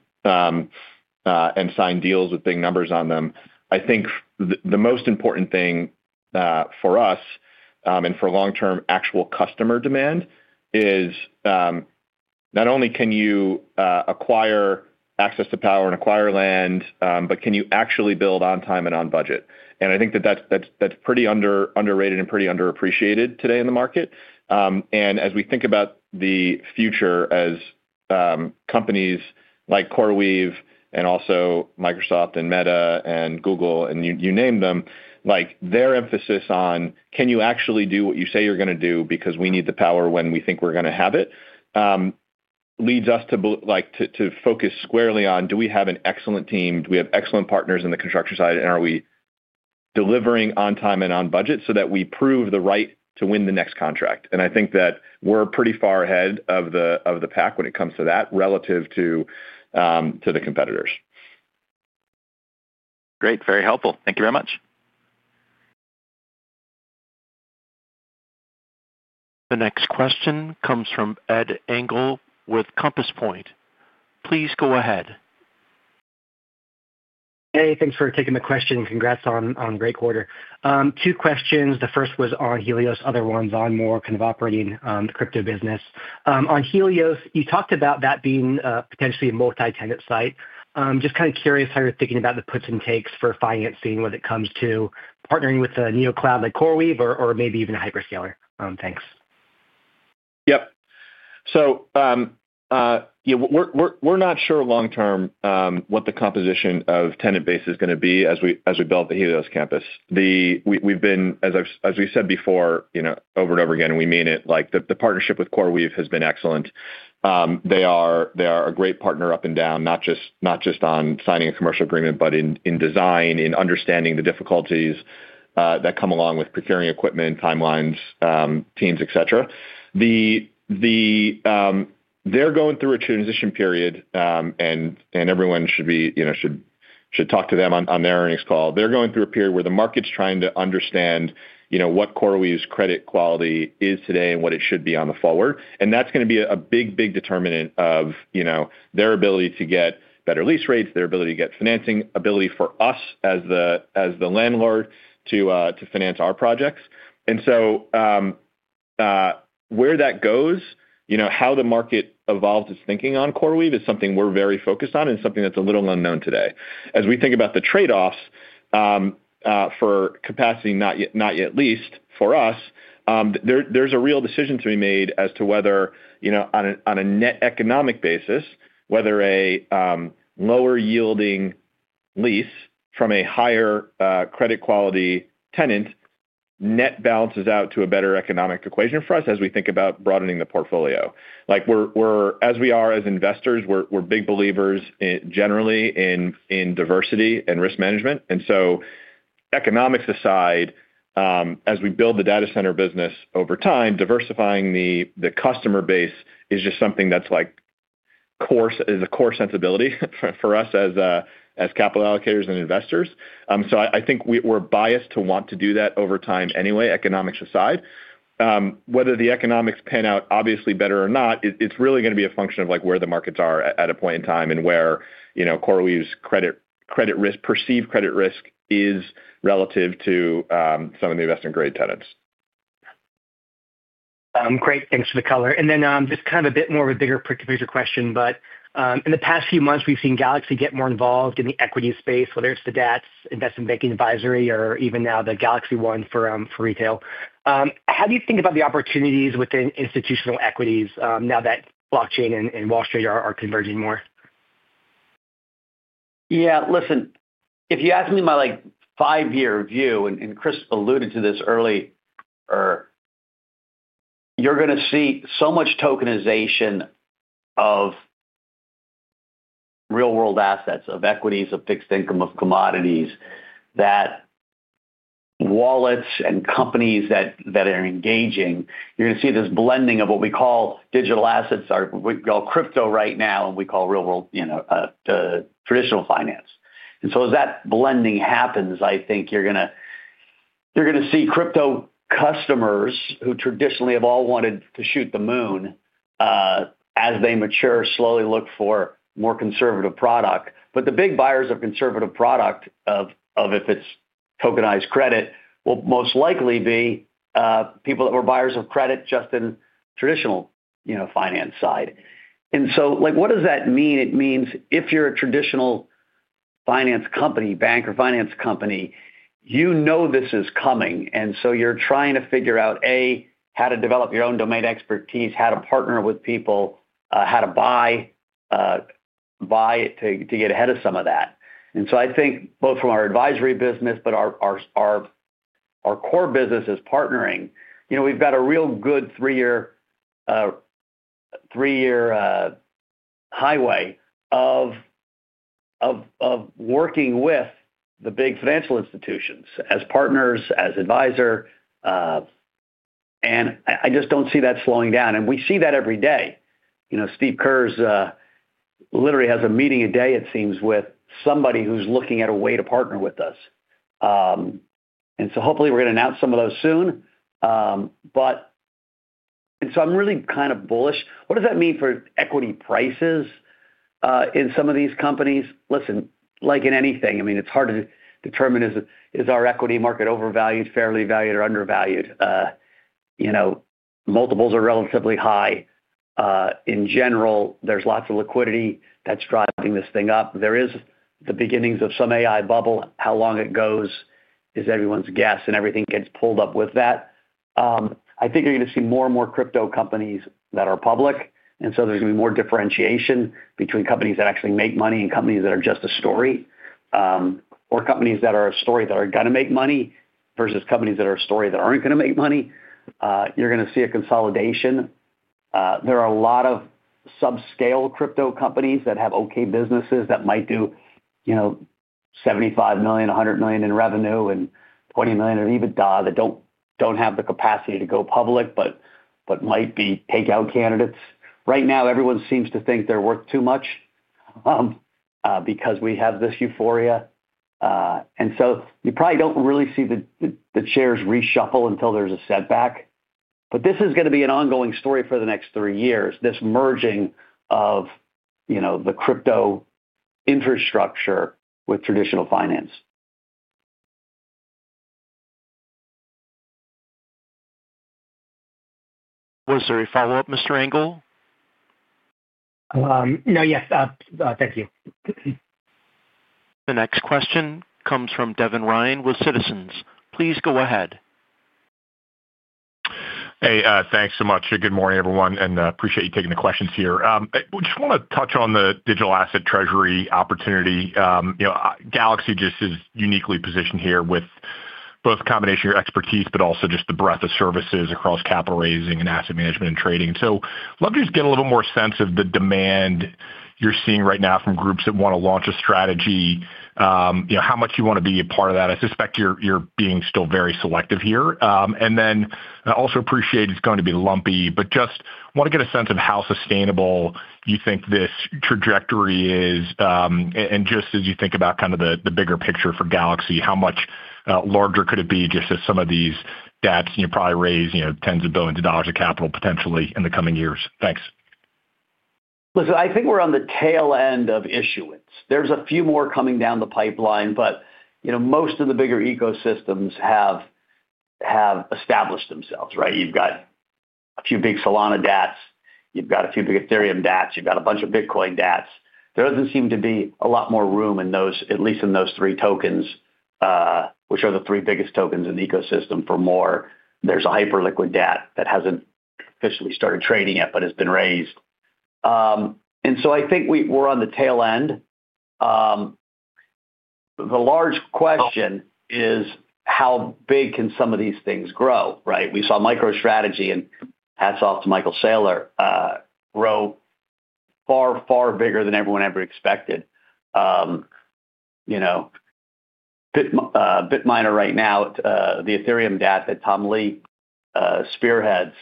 and sign deals with big numbers on them. I think the most important thing for us and for long-term actual customer demand is not only can you acquire access to power and acquire land, but can you actually build on time and on budget? I think that's pretty underrated and pretty underappreciated today in the market. As we think about the future, as companies like CoreWeave and also Microsoft and Meta and Google and you name them, their emphasis on can you actually do what you say you're going to do because we need the power when we think we're going to have it leads us to focus squarely on do we have an excellent team? Do we have excellent partners in the construction side? Are we delivering on time and on budget so that we prove the right to win the next contract? I think that we're pretty far ahead of the pack when it comes to that relative to the competitors. Great. Very helpful. Thank you very much. The next question comes from Edward Lee Engel with Compass Point. Please go ahead. Hey, thanks for taking the question. Congrats on a great quarter. Two questions. The first was on Helios. The other one's on more kind of operating the crypto business. On Helios, you talked about that being potentially a multi-tenant site. Just kind of curious how you're thinking about the puts and takes for financing when it comes to partnering with a neocloud like CoreWeave or maybe even a hyperscaler. Thanks. Yep. We're not sure long-term what the composition of tenant base is going to be as we build the Helios campus. As we've said before, over and over again, we mean it. The partnership with CoreWeave has been excellent. They are a great partner up and down, not just on signing a commercial agreement, but in design, in understanding the difficulties that come along with procuring equipment, timelines, teams, etc. They're going through a transition period, and everyone should talk to them on their earnings call. They're going through a period where the market's trying to understand what CoreWeave's credit quality is today and what it should be on the forward. That's going to be a big, big determinant of their ability to get better lease rates, their ability to get financing, ability for us as the landlord to finance our projects. Where that goes, how the market evolves its thinking on CoreWeave is something we're very focused on and something that's a little unknown today. As we think about the trade-offs for capacity not yet leased for us, there's a real decision to be made as to whether, on a net economic basis, a lower yielding lease from a higher credit quality tenant net balances out to a better economic equation for us as we think about broadening the portfolio. As we are as investors, we're big believers generally in diversity and risk management. Economics aside, as we build the data center business over time, diversifying the customer base is just something that's a core sensibility for us as capital allocators and investors. I think we're biased to want to do that over time anyway, economics aside. Whether the economics pan out obviously better or not, it's really going to be a function of where the markets are at a point in time and where CoreWeave's perceived credit risk is relative to some of the investment-grade tenants. Great. Thanks for the color. Just kind of a bit more of a bigger question, but in the past few months, we've seen Galaxy get more involved in the equity space, whether it's the DATS, investment banking advisory, or even now the Galaxy One for retail. How do you think about the opportunities within institutional equities now that blockchain and Wall Street are converging more? Yeah, listen, if you ask me my five-year view, and Chris alluded to this early, you're going to see so much tokenization of real-world assets, of equities, of fixed income, of commodities that wallets and companies that are engaging, you're going to see this blending of what we call digital assets, or what we call crypto right now, and we call real-world traditional finance. As that blending happens, I think you're going to see crypto customers who traditionally have all wanted to shoot the moon as they mature slowly look for more conservative product. The big buyers of conservative product, if it's tokenized credit, will most likely be people that were buyers of credit just in the traditional finance side. What does that mean? It means if you're a traditional finance company, bank or finance company, you know this is coming. You're trying to figure out A, how to develop your own domain expertise, how to partner with people, how to buy it to get ahead of some of that. I think both from our advisory business, but our core business is partnering. We've got a real good three-year highway of working with the big financial institutions as partners, as advisors. I just don't see that slowing down. We see that every day. Steve Kerr literally has a meeting a day, it seems, with somebody who's looking at a way to partner with us. Hopefully, we're going to announce some of those soon. I'm really kind of bullish. What does that mean for equity prices in some of these companies? Like in anything, I mean, it's hard to determine is our equity market overvalued, fairly valued, or undervalued. Multiples are relatively high. In general, there's lots of liquidity that's driving this thing up. There are the beginnings of some AI bubble. How long it goes is everyone's guess, and everything gets pulled up with that. I think you're going to see more and more crypto companies that are public. There's going to be more differentiation between companies that actually make money and companies that are just a story, or companies that are a story that are going to make money versus companies that are a story that aren't going to make money. You're going to see a consolidation. There are a lot of subscale crypto companies that have okay businesses that might do, you know, $75 million, $100 million in revenue, and $20 million in EBITDA that don't have the capacity to go public, but might be takeout candidates. Right now, everyone seems to think they're worth too much because we have this euphoria. You probably don't really see the shares reshuffle until there's a setback. This is going to be an ongoing story for the next three years, this merging of the crypto infrastructure with traditional finance. Was there a follow-up, Mr. Engel? No, thank you. The next question comes from Devin Patrick Ryan with Citizens. Please go ahead. Hey, thanks so much. Good morning, everyone. I appreciate you taking the questions here. I just want to touch on the digital asset treasury opportunity. Galaxy is uniquely positioned here with both a combination of your expertise, but also the breadth of services across capital raising, asset management, and trading. I'd love to get a little more sense of the demand you're seeing right now from groups that want to launch a strategy. How much do you want to be a part of that? I suspect you're still being very selective here. I also appreciate it's going to be lumpy, but I want to get a sense of how sustainable you think this trajectory is. As you think about the bigger picture for Galaxy, how much larger could it be as some of these digital asset treasuries, and you probably raise tens of billions of dollars of capital potentially in the coming years? Thanks. Listen, I think we're on the tail end of issuance. There's a few more coming down the pipeline, but you know, most of the bigger ecosystems have established themselves, right? You've got a few big Solana DAOs, you've got a few big Ethereum DAOs, you've got a bunch of Bitcoin DAOs. There doesn't seem to be a lot more room in those, at least in those three tokens, which are the three biggest tokens in the ecosystem for more. There's a Hyperliquid DAO that hasn't officially started trading yet, but has been raised. I think we're on the tail end. The large question is how big can some of these things grow, right? We saw MicroStrategy, and hats off to Michael Saylor, grow far, far bigger than everyone ever expected. Bitminer right now, the Ethereum DAO that Tom Lee spearheads,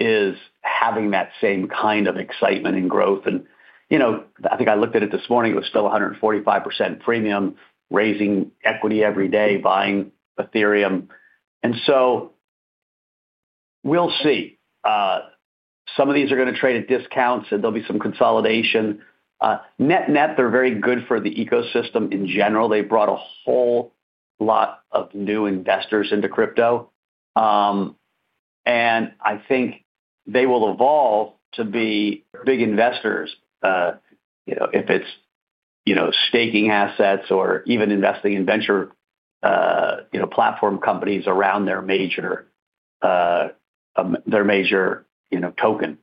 is having that same kind of excitement and growth. I think I looked at it this morning, it was still 145% premium, raising equity every day, buying Ethereum. We'll see. Some of these are going to trade at discounts, and there'll be some consolidation. Net-net, they're very good for the ecosystem in general. They brought a whole lot of new investors into crypto. I think they will evolve to be big investors, you know, if it's staking assets or even investing in venture, you know, platform companies around their major, their major, you know, token.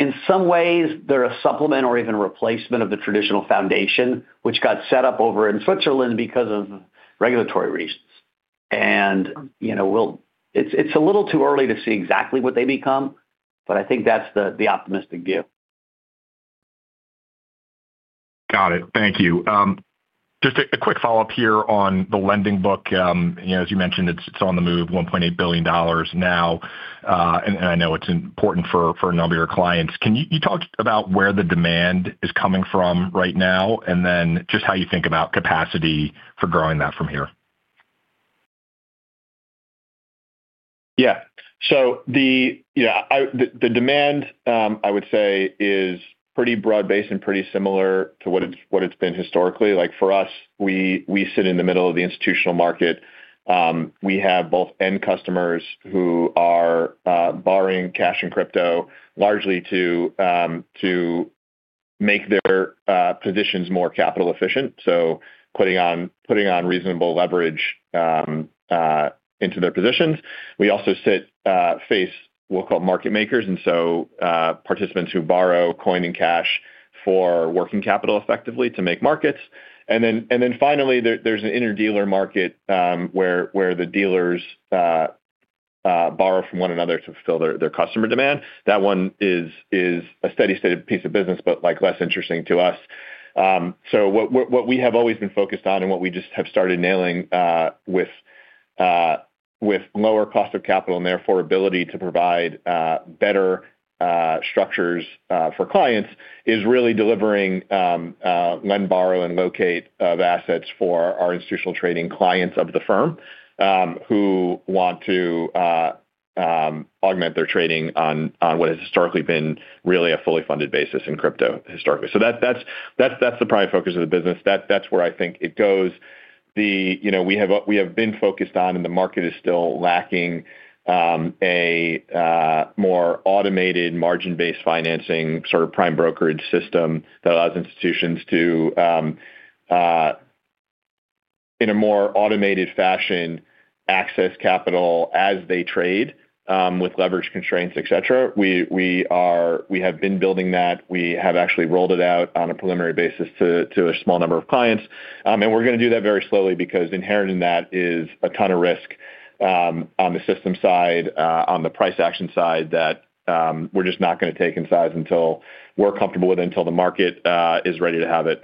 In some ways, they're a supplement or even replacement of the traditional foundation, which got set up over in Switzerland because of regulatory reasons. It's a little too early to see exactly what they become, but I think that's the optimistic view. Got it. Thank you. Just a quick follow-up here on the lending book. As you mentioned, it's on the move, $1.8 billion now. I know it's important for a number of your clients. Can you talk about where the demand is coming from right now and how you think about capacity for growing that from here? Yeah. The demand, I would say, is pretty broad-based and pretty similar to what it's been historically. For us, we sit in the middle of the institutional market. We have both end customers who are borrowing cash and crypto largely to make their positions more capital efficient, putting on reasonable leverage into their positions. We also sit facing what we'll call market makers, participants who borrow coin and cash for working capital effectively to make markets. Finally, there's an inter-dealer market where the dealers borrow from one another to fulfill their customer demand. That one is a steady-state piece of business, but less interesting to us. What we have always been focused on and what we just have started nailing with lower cost of capital and therefore ability to provide better structures for clients is really delivering lend, borrow, and locate of assets for our institutional trading clients of the firm who want to augment their trading on what has historically been really a fully funded basis in crypto. That's the prime focus of the business. That's where I think it goes. We have been focused on, and the market is still lacking, a more automated margin-based financing sort of prime brokerage system that allows institutions to, in a more automated fashion, access capital as they trade with leverage constraints, etc. We have been building that. We have actually rolled it out on a preliminary basis to a small number of clients. We're going to do that very slowly because inheriting that is a ton of risk on the system side, on the price action side that we're just not going to take in size until we're comfortable with it, until the market is ready to have it.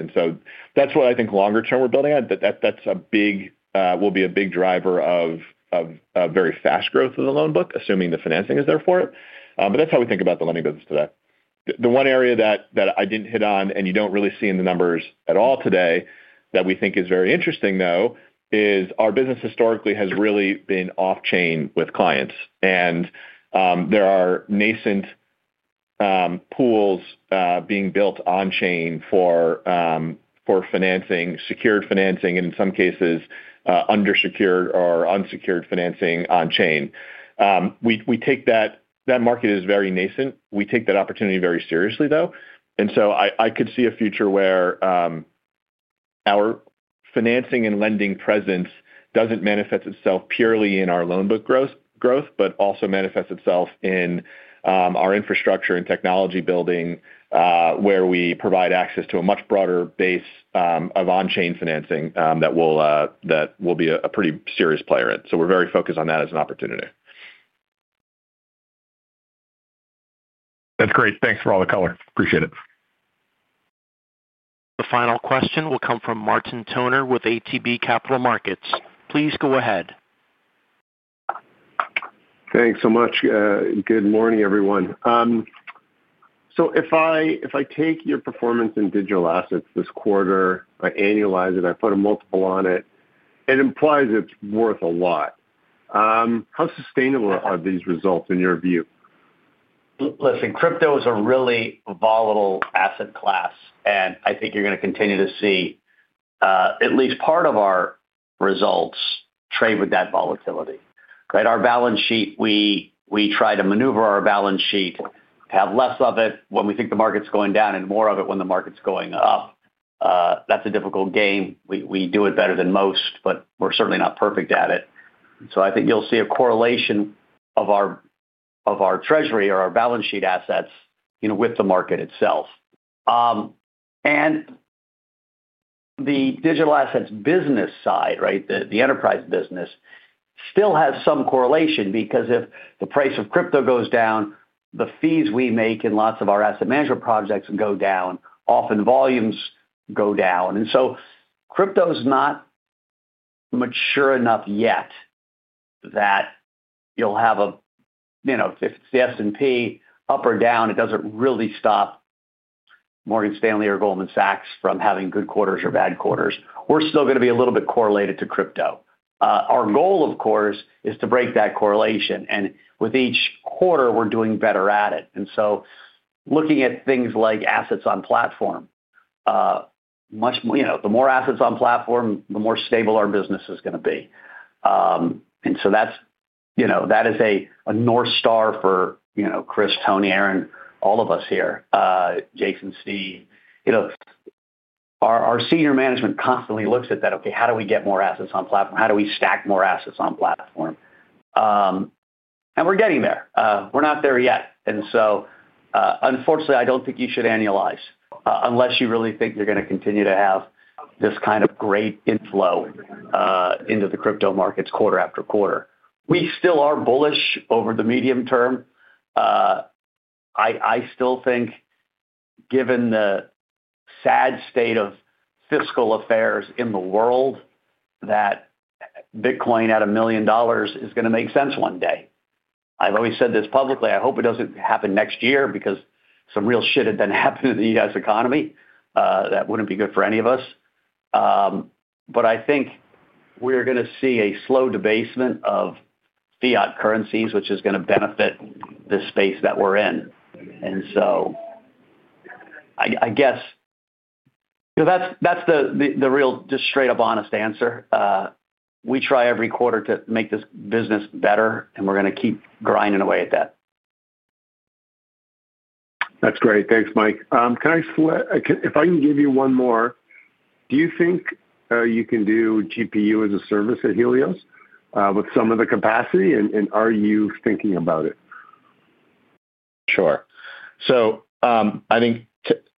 That's what I think longer term we're building on. That will be a big driver of very fast growth of the loan book, assuming the financing is there for it. That's how we think about the lending business today. The one area that I didn't hit on, and you don't really see in the numbers at all today that we think is very interesting, is our business historically has really been off-chain with clients. There are nascent pools being built on-chain for financing, secured financing, and in some cases, under-secured or unsecured financing on-chain. That market is very nascent. We take that opportunity very seriously. I could see a future where our financing and lending presence doesn't manifest itself purely in our loan book growth, but also manifests itself in our infrastructure and technology building where we provide access to a much broader base of on-chain financing that we will be a pretty serious player in. We're very focused on that as an opportunity. That's great. Thanks for all the color. Appreciate it. The final question will come from Martin Toner with ATB Capital Markets. Please go ahead. you so much. Good morning, everyone. If I take your performance in digital assets this quarter, annualize it, and put a multiple on it, it implies it's worth a lot. How sustainable are these results in your view? Listen, crypto is a really volatile asset class. I think you're going to continue to see at least part of our results trade with that volatility. Our balance sheet, we try to maneuver our balance sheet, have less of it when we think the market's going down and more of it when the market's going up. That's a difficult game. We do it better than most, but we're certainly not perfect at it. I think you'll see a correlation of our treasury or our balance sheet assets with the market itself. The digital assets business side, the enterprise business still has some correlation because if the price of crypto goes down, the fees we make in lots of our asset management projects go down, often volumes go down. Crypto is not mature enough yet that you'll have a, you know, if it's the S&P up or down, it doesn't really stop Morgan Stanley or Goldman Sachs from having good quarters or bad quarters. We're still going to be a little bit correlated to crypto. Our goal, of course, is to break that correlation. With each quarter, we're doing better at it. Looking at things like assets on platform, much more, the more assets on platform, the more stable our business is going to be. That is a North Star for Chris, Tony, Aaron, all of us here, Jason, Steve, our senior management constantly looks at that. Okay, how do we get more assets on platform? How do we stack more assets on platform? We're getting there. We're not there yet. Unfortunately, I don't think you should annualize unless you really think you're going to continue to have this kind of great inflow into the crypto markets quarter after quarter. We still are bullish over the medium term. I still think, given the sad state of fiscal affairs in the world, that Bitcoin at $1 million is going to make sense one day. I've always said this publicly. I hope it doesn't happen next year because some real shit had been happening to the U.S. economy. That wouldn't be good for any of us. I think we're going to see a slow debasement of fiat currencies, which is going to benefit this space that we're in. I guess that's the real just straight-up honest answer. We try every quarter to make this business better, and we're going to keep grinding away at that. That's great. Thanks, Mike. Can I, if I can give you one more, do you think you can do GPU as a service at Helios with some of the capacity? Are you thinking about it? Sure. I think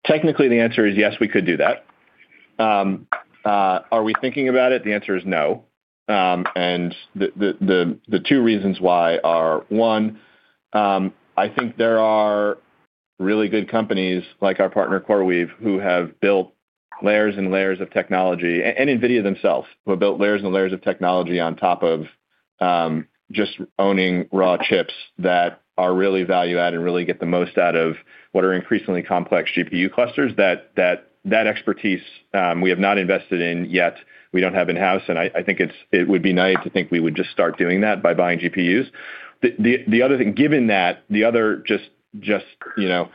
technically the answer is yes, we could do that. Are we thinking about it? The answer is no. The two reasons why are, one, I think there are really good companies like our partner CoreWeave who have built layers and layers of technology, and NVIDIA themselves who have built layers and layers of technology on top of just owning raw chips that are really value-added and really get the most out of what are increasingly complex GPU clusters. That expertise we have not. Invested in yet, we don't have in-house. I think it would be nice to think we would just start doing that by buying GPUs. The other thing, given that the other just, you know,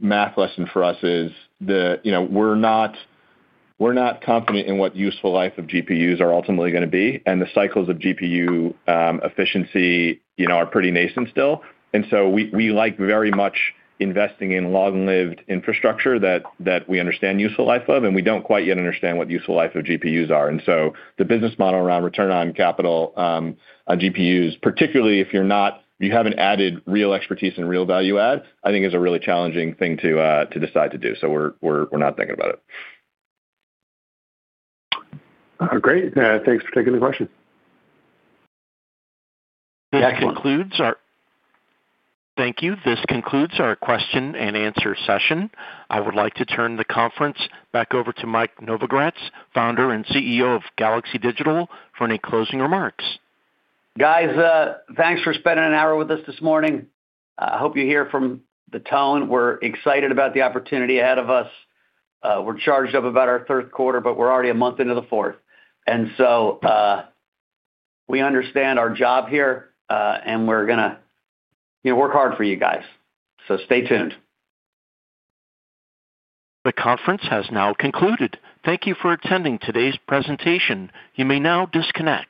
math lesson for us is that we're not confident in what useful life of GPUs are ultimately going to be. The cycles of GPU efficiency are pretty nascent still. We like very much investing in long-lived infrastructure that we understand useful life of. We don't quite yet understand what useful life of GPUs are. The business model around return on capital on GPUs, particularly if you haven't added real expertise and real value add, I think is a really challenging thing to decide to do. We're not thinking about it. Great. Thanks for taking the question. That concludes our question and answer session. I would like to turn the conference back over to Michael Novogratz, Founder and CEO of Galaxy Digital, for any closing remarks. Guys, thanks for spending an hour with us this morning. I hope you hear from the tone. We're excited about the opportunity ahead of us. We're charged up about our third quarter, we're already a month into the fourth. We understand our job here, and we're going to work hard for you guys. Stay tuned. The conference has now concluded. Thank you for attending today's presentation. You may now disconnect.